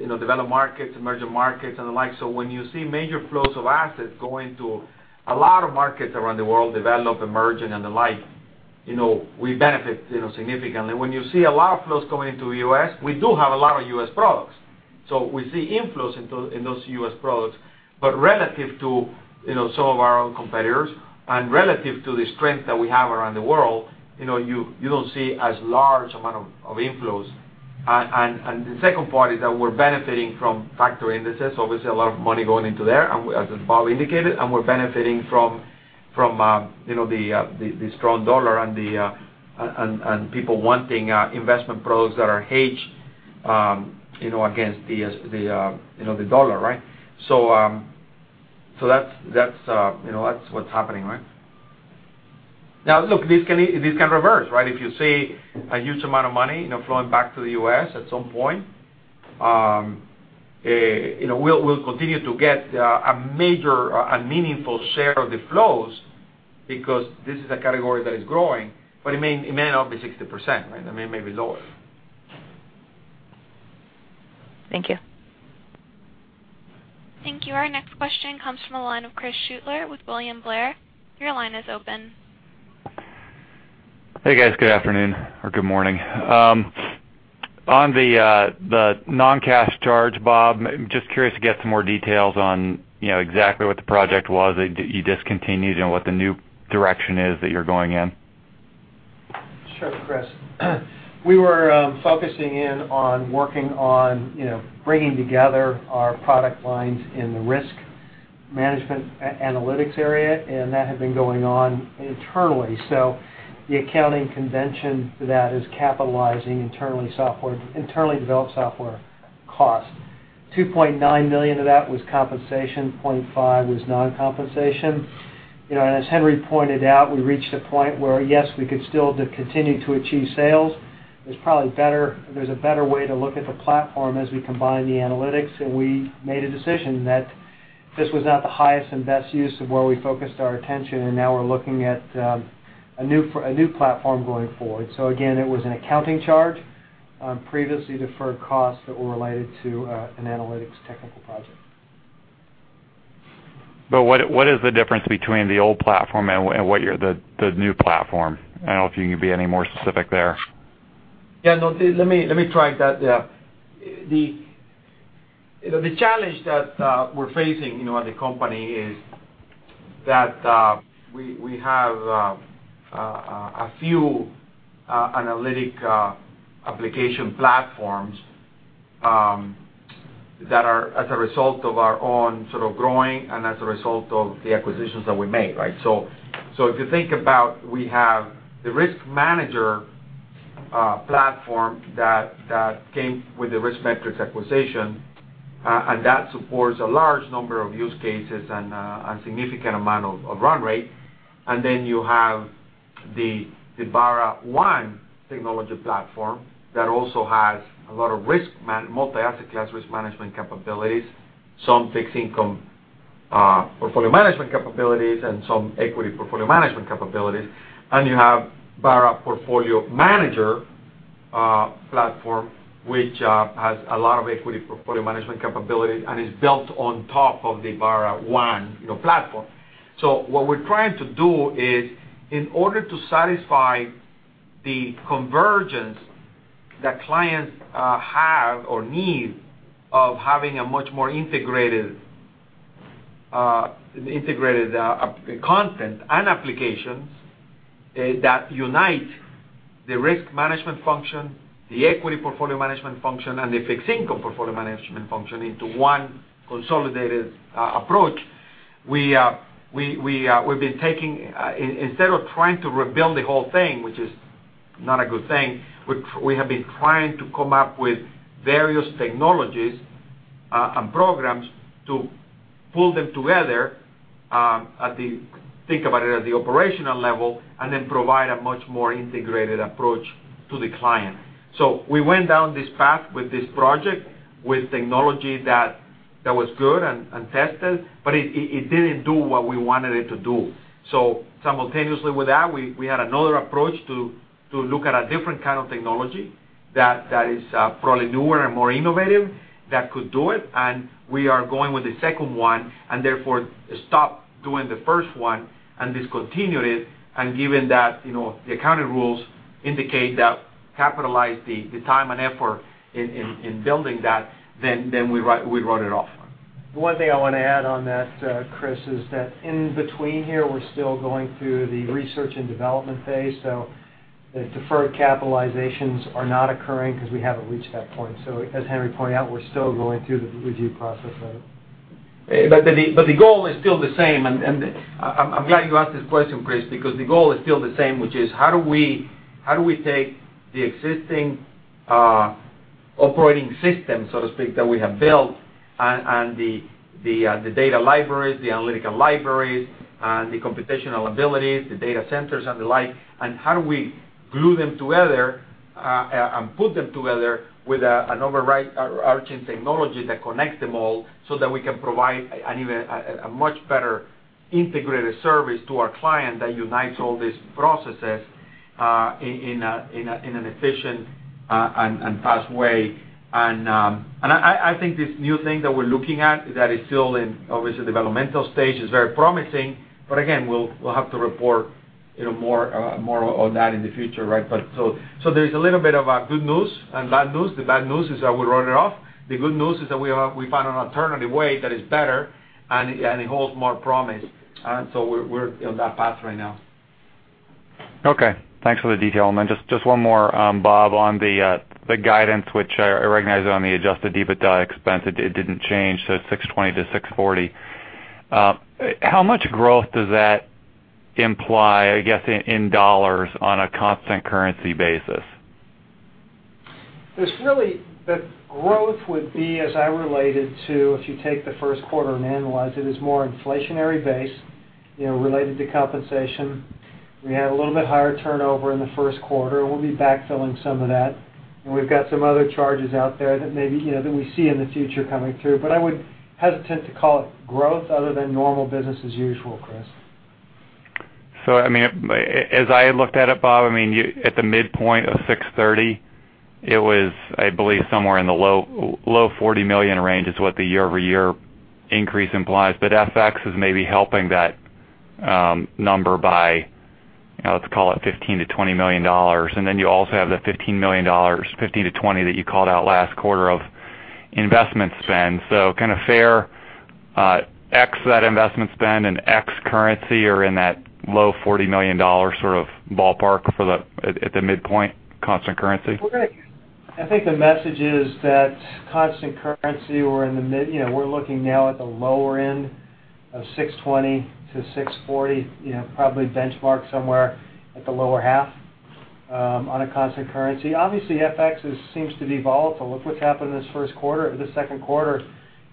S3: you know, developed markets, emerging markets and the like. When you see major flows of assets going to a lot of markets around the world, developed, emerging and the like. You know, we benefit, you know, significantly. When you see a lot of flows coming into the U.S., we do have a lot of U.S. products. We see inflows into in those U.S. products, but relative to, you know, some of our own competitors and relative to the strength that we have around the world, you know, you don't see as large amount of inflows. The second part is that we're benefiting from factor indices, obviously a lot of money going into there, as Bob indicated, and we're benefiting from, you know, the, the strong dollar and people wanting investment products that are hedged, you know, against the, you know, the dollar, right? That's, you know, that's what's happening, right? Look, this can reverse, right? If you see a huge amount of money, you know, flowing back to the U.S. at some point, you know, we'll continue to get a meaningful share of the flows because this is a category that is growing, but it may not be 60%, right? I mean, it may be lower.
S7: Thank you.
S1: Thank you. Our next question comes from the line of Chris Shutler with William Blair. Your line is open.
S8: Hey, guys. Good afternoon or good morning. On the non-cash charge, Bob, I'm just curious to get some more details on, you know, exactly what the project was that you discontinued and what the new direction is that you're going in?
S5: Sure, Chris. We were focusing in on working on, you know, bringing together our product lines in the risk management analytics area, and that had been going on internally. The accounting convention for that is capitalizing internally developed software cost. $2.9 million of that was compensation, $0.5 million was non-compensation. You know, as Henry pointed out, we reached a point where, yes, we could still continue to achieve sales. There's a better way to look at the platform as we combine the analytics, and we made a decision that this was not the highest and best use of where we focused our attention, and now we're looking at a new platform going forward. Again, it was an accounting charge on previously deferred costs that were related to an analytics technical project.
S8: What is the difference between the old platform and what you're the new platform? I don't know if you can be any more specific there.
S3: No, let me, let me try that. The, you know, the challenge that we're facing, you know, at the company is that we have a few analytic application platforms that are as a result of our own sort of growing and as a result of the acquisitions that we made, right? If you think about we have the RiskManager platform that came with the RiskMetrics acquisition and that supports a large number of use cases and significant amount of run rate. Then you have the BarraOne technology platform that also has a lot of multi-asset class risk management capabilities, some fixed income portfolio management capabilities, and some equity portfolio management capabilities. You have Barra Portfolio Manager platform, which has a lot of equity portfolio management capabilities and is built on top of the BarraOne, you know, platform. What we're trying to do is, in order to satisfy the convergence that clients have or need of having a much more integrated content and applications that unite the risk management function, the equity portfolio management function, and the fixed income portfolio management function into one consolidated approach, we've been taking instead of trying to rebuild the whole thing, which is not a good thing, we have been trying to come up with various technologies and programs to pull them together, think about it, at the operational level, and then provide a much more integrated approach to the client. We went down this path with this project with technology that was good and tested, but it didn't do what we wanted it to do. Simultaneously with that, we had another approach to look at a different kind of technology that is probably newer and more innovative that could do it, and we are going with the second one and therefore stop doing the first one and discontinue it. Given that, you know, the accounting rules indicate that capitalize the time and effort in building that, then we wrote it off.
S5: One thing I want to add on that, Chris, is that in between here, we're still going through the research and development phase. The deferred capitalizations are not occurring because we haven't reached that point. As Henry pointed out, we're still going through the review process of it.
S3: The goal is still the same. I'm glad you asked this question, Chris, because the goal is still the same, which is: How do we take the existing operating system, so to speak, that we have built and the data libraries, the analytical libraries, the computational abilities, the data centers and the like, and how do we glue them together and put them together with an overarching technology that connects them all so that we can provide a much better integrated service to our client that unites all these processes in an efficient and fast way? I think this new thing that we're looking at that is still in, obviously, developmental stage is very promising. Again, we'll have to report, you know, more on that in the future, right? There's a little bit of good news and bad news. The bad news is that we wrote it off. The good news is that we found an alternative way that is better and it holds more promise. We're on that path right now.
S8: Okay. Thanks for the detail. Just one more, Bob, on the guidance, which I recognize on the adjusted EBITDA expense, it didn't change, so it's $620 million-$640 million. How much growth does that imply, I guess, in dollars on a constant currency basis?
S5: The growth would be, as I related to, if you take the first quarter and analyze it, is more inflationary based, you know, related to compensation. We had a little bit higher turnover in the first quarter. We'll be backfilling some of that. We've got some other charges out there that maybe, you know, that we see in the future coming through. I would hesitant to call it growth other than normal business as usual, Chris.
S8: As I looked at it, Bob, at the midpoint of $630 million, it was, I believe, somewhere in the low $40 million range is what the year-over-year increase implies. FX is maybe helping that number by, you know, let's call it $15 million-$20 million. You also have the $15 million, $15 million-$20 million that you called out last quarter of investment spend. Kind of fair, ex-ante investment spend and ex-currency are in that low $40 million sort of ballpark for the at the midpoint constant currency.
S5: I think the message is that constant currency, you know, we're looking now at the lower end of $620 million-$640 million, you know, probably benchmark somewhere at the lower half on a constant currency. Obviously, FX seems to be volatile. Look what's happened in this first quarter or the second quarter.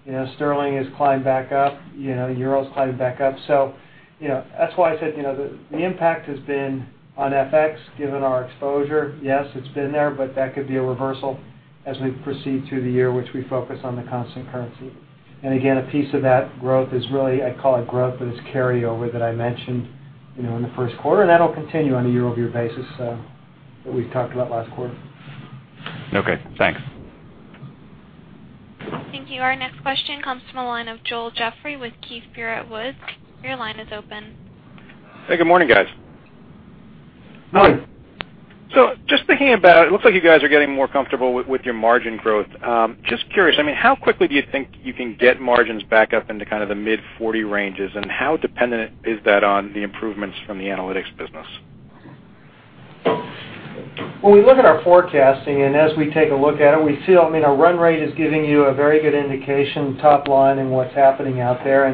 S5: You know, sterling has climbed back up, you know, euro's climbed back up. You know, that's why I said, you know, the impact has been on FX, given our exposure. Yes, it's been there, that could be a reversal as we proceed through the year, which we focus on the constant currency. Again, a piece of that growth is really, I call it growth, but it's carryover that I mentioned, you know, in the first quarter. That'll continue on a year-over-year basis, that we talked about last quarter.
S8: Okay. Thanks.
S1: Thank you. Our next question comes from the line of Joel Jeffrey with Keefe, Bruyette & Woods. Your line is open.
S9: Hey, good morning, guys.
S5: Hi.
S9: Just thinking about, it looks like you guys are getting more comfortable with your margin growth. Just curious, I mean, how quickly do you think you can get margins back up into kind of the mid 40 ranges, and how dependent is that on the improvements from the analytics business?
S5: When we look at our forecasting, as we take a look at it, we feel, I mean, our run rate is giving you a very good indication top line in what's happening out there.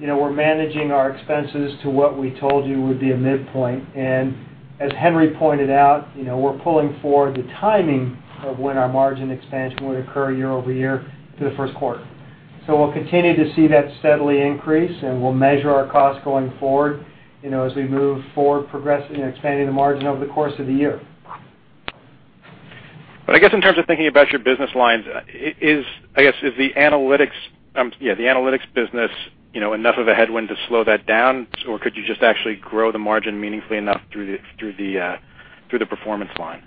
S5: You know, we're managing our expenses to what we told you would be a midpoint. As Henry pointed out, you know, we're pulling forward the timing of when our margin expansion would occur year-over-year to the first quarter. We'll continue to see that steadily increase, and we'll measure our costs going forward, you know, as we move forward progressing and expanding the margin over the course of the year.
S9: I guess in terms of thinking about your business lines, I guess, is the Analytics business, you know, enough of a headwind to slow that down? Or could you just actually grow the margin meaningfully enough through the Performance Line?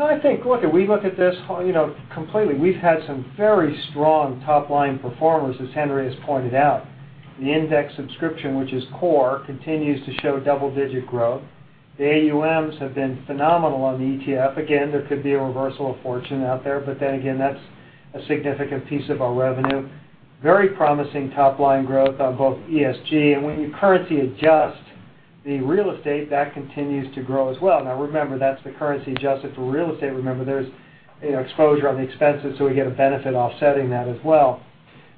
S5: I think, look, if we look at this, you know, completely, we've had some very strong top-line performers, as Henry has pointed out. The index subscription, which is core, continues to show double-digit growth. The AUMs have been phenomenal on the ETF. Again, there could be a reversal of fortune out there, then again, that's a significant piece of our revenue. Very promising top-line growth on both ESG. When you currency adjust the real estate, that continues to grow as well. Now remember, that's the currency adjusted for real estate. Remember, there's, you know, exposure on the expenses, so we get a benefit offsetting that as well.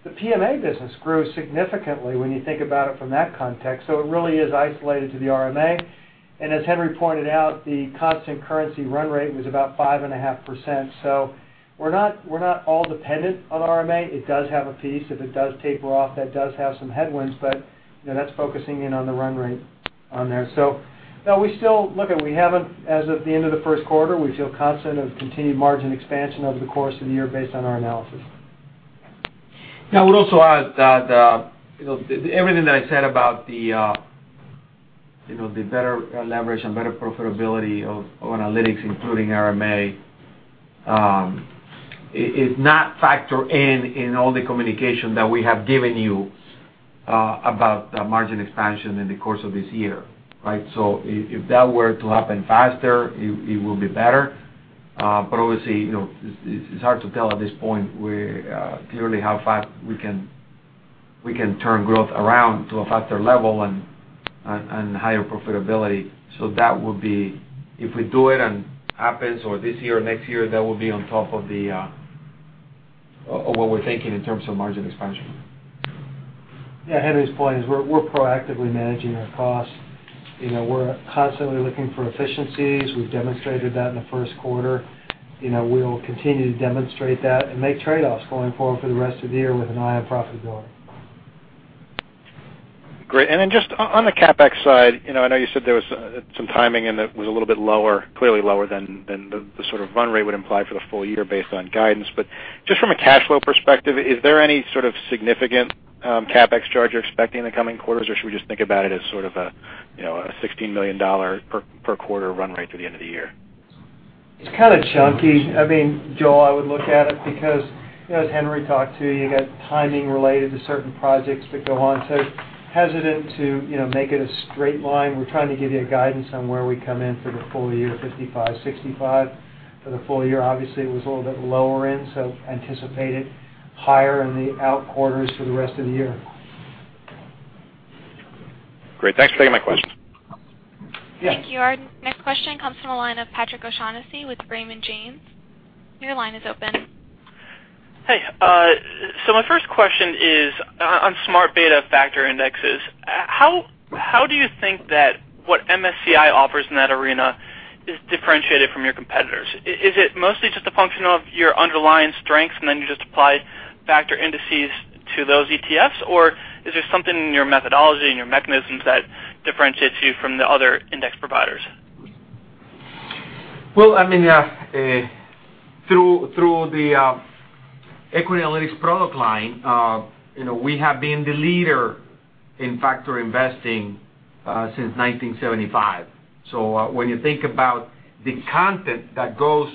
S5: The PMA business grew significantly when you think about it from that context, so it really is isolated to the RMA. As Henry pointed out, the constant currency run rate was about 5.5%. We're not all dependent on RMA. It does have a piece. If it does taper off, that does have some headwinds, you know, that's focusing in on the run rate on there. No, as of the end of the first quarter, we feel confident of continued margin expansion over the course of the year based on our analysis.
S3: I would also add that the, you know, everything that I said about the, you know, the better leverage and better profitability of analytics, including RMA, it not factor in in all the communication that we have given you about the margin expansion in the course of this year, right? If that were to happen faster, it will be better. Obviously, you know, it's hard to tell at this point where clearly how fast we can turn growth around to a faster level and higher profitability. That would be, if we do it and happen this year or next year, that will be on top of the of what we're thinking in terms of margin expansion.
S5: Yeah, Henry's point is we're proactively managing our costs. You know, we're constantly looking for efficiencies. We've demonstrated that in the first quarter. You know, we'll continue to demonstrate that and make trade-offs going forward for the rest of the year with an eye on profitability.
S9: Great. Just on the CapEx side, you know, I know you said there was some timing and it was a little bit lower, clearly lower than the sort of run rate would imply for the full year based on guidance. Just from a cash flow perspective, is there any sort of significant CapEx charge you're expecting in the coming quarters, or should we just think about it as sort of a, you know, a $16 million per quarter run rate through the end of the year?
S5: It's kind of chunky. I mean, Joel, I would look at it because, you know, as Henry talked to you got timing related to certain projects that go on. Hesitant to, you know, make it a straight line. We're trying to give you a guidance on where we come in for the full year $55 million-$65million for the full year. Obviously, it was a little bit lower in, so anticipate it higher in the out quarters for the rest of the year.
S9: Great. Thanks for taking my questions.
S1: Thank you. Our next question comes from the line of Patrick O'Shaughnessy with Raymond James. Your line is open.
S10: Hey. My first question is on smart beta factor indexes. How do you think that what MSCI offers in that arena is differentiated from your competitors? Is it mostly just a function of your underlying strengths, and then you just apply factor indices to those ETFs? Is there something in your methodology and your mechanisms that differentiates you from the other index providers?
S3: I mean, through the equity analytics product line, you know, we have been the leader in factor investing since 1975. When you think about the content that goes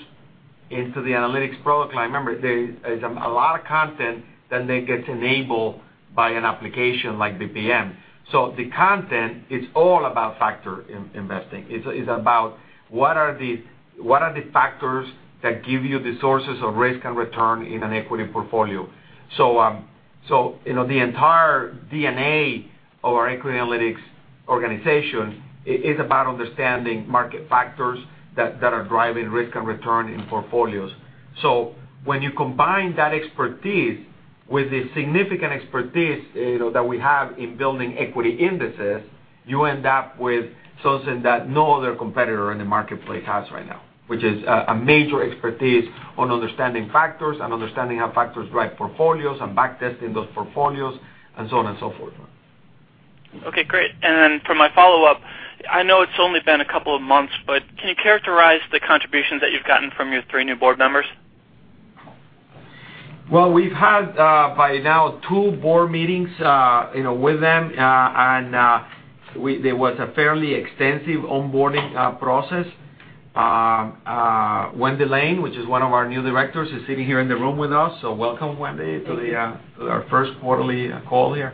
S3: into the analytics product line, remember, there is a lot of content that then gets enabled by an application like BPM. The content is all about factor investing. It's about what are the factors that give you the sources of risk and return in an equity portfolio. You know, the entire DNA of our equity analytics organization is about understanding market factors that are driving risk and return in portfolios. When you combine that expertise with the significant expertise, you know, that we have in building equity indices, you end up with something that no other competitor in the marketplace has right now, which is a major expertise on understanding factors and understanding how factors drive portfolios and back testing those portfolios and so on and so forth.
S10: Okay, great. For my follow-up, I know it's only been a couple of months, but can you characterize the contributions that you've gotten from your three new board members?
S3: Well, we've had, by now two board meetings, you know, with them. There was a fairly extensive onboarding process. Wendy Lane, which is one of our new directors, is sitting here in the room with us. Welcome, Wendy-
S11: Thank you.
S3: To the, to our first quarterly call here.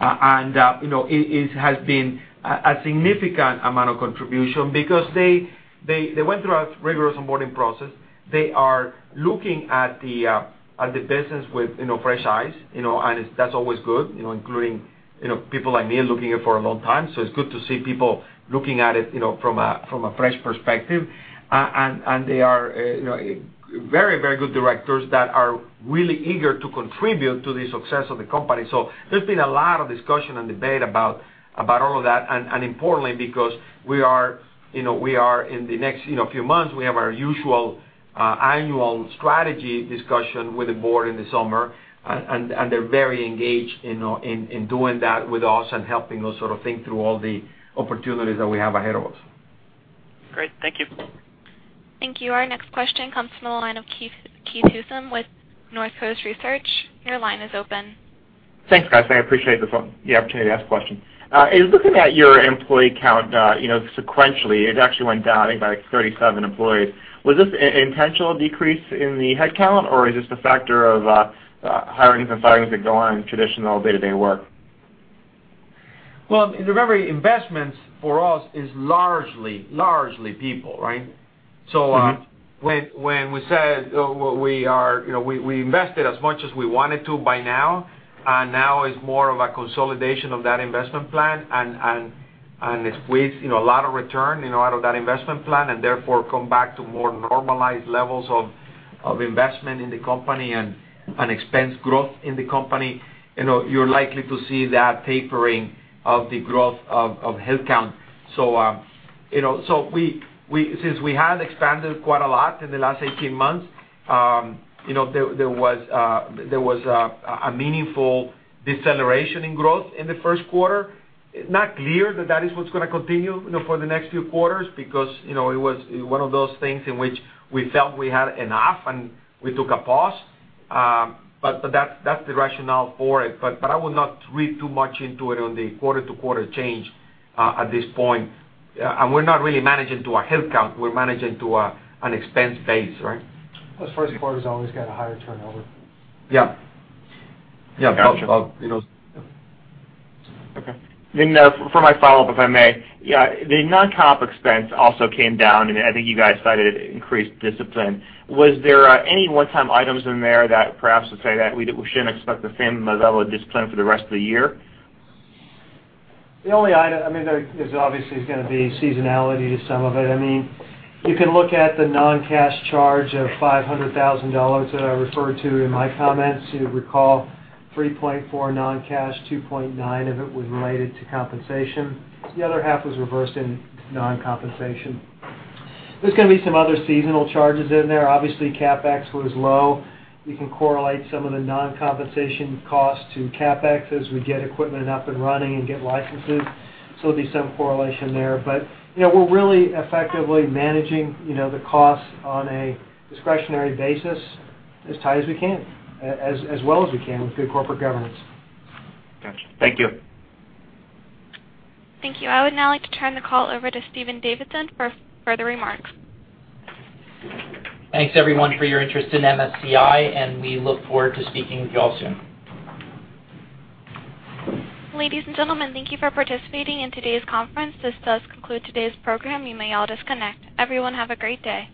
S3: You know, it has been a significant amount of contribution because they went through a rigorous onboarding process. They are looking at the business with, you know, fresh eyes, you know, and it's, that's always good, you know, including, you know, people like me looking at it for a long time. It's good to see people looking at it, you know, from a fresh perspective. They are, you know, very, very good directors that are really eager to contribute to the success of the company. There's been a lot of discussion and debate about all of that. Importantly, because we are, you know, we are in the next, you know, few months, we have our usual, annual strategy discussion with the board in the summer. They're very engaged in doing that with us and helping us sort of think through all the opportunities that we have ahead of us.
S10: Great. Thank you.
S1: Thank you. Our next question comes from the line of Keith Housum with Northcoast Research. Your line is open.
S12: Thanks, guys. I appreciate the opportunity to ask questions. In looking at your employee count, you know, sequentially, it actually went down, I think, by 37 employees. Was this intentional decrease in the headcount, or is this a factor of hirings and firings that go on in traditional day-to-day work?
S3: Remember, investments for us is largely people, right? When we said, you know, we invested as much as we wanted to by now, and now it's more of a consolidation of that investment plan. It's with, you know, a lot of return, you know, out of that investment plan, and therefore come back to more normalized levels of investment in the company and expense growth in the company. You know, you're likely to see that tapering of the growth of headcount. You know, since we have expanded quite a lot in the last 18 months, you know, there was a meaningful deceleration in growth in the first quarter. Not clear that that is what's gonna continue, you know, for the next few quarters because, you know, it was one of those things in which we felt we had enough, and we took a pause. That's the rationale for it. I would not read too much into it on the quarter-to-quarter change at this point. We're not really managing to a headcount, we're managing to an expense base, right?
S5: First quarter's always got a higher turnover.
S3: Yeah. Yeah.
S12: Gotcha. Okay. For my follow-up, if I may. Yeah, the non-comp expense also came down, and I think you guys cited increased discipline. Was there any one-time items in there that perhaps would say that we shouldn't expect the same level of discipline for the rest of the year?
S5: The only item, I mean, there is obviously is gonna be seasonality to some of it. I mean, you can look at the non-cash charge of $500,000 that I referred to in my comments. You'll recall $3.4 million non-cash, $2.9 million of it was related to compensation. The other half was reversed in non-compensation. There's gonna be some other seasonal charges in there. Obviously, CapEx was low. We can correlate some of the non-compensation costs to CapEx as we get equipment up and running and get licenses. There'll be some correlation there. You know, we're really effectively managing, you know, the costs on a discretionary basis as tight as we can, as well as we can with good corporate governance.
S12: Gotcha. Thank you.
S1: Thank you. I would now like to turn the call over to Steven Davidson for further remarks.
S2: Thanks, everyone, for your interest in MSCI, and we look forward to speaking with you all soon.
S1: Ladies and gentlemen, thank you for participating in today's conference. This does conclude today's program. You may all disconnect. Everyone, have a great day.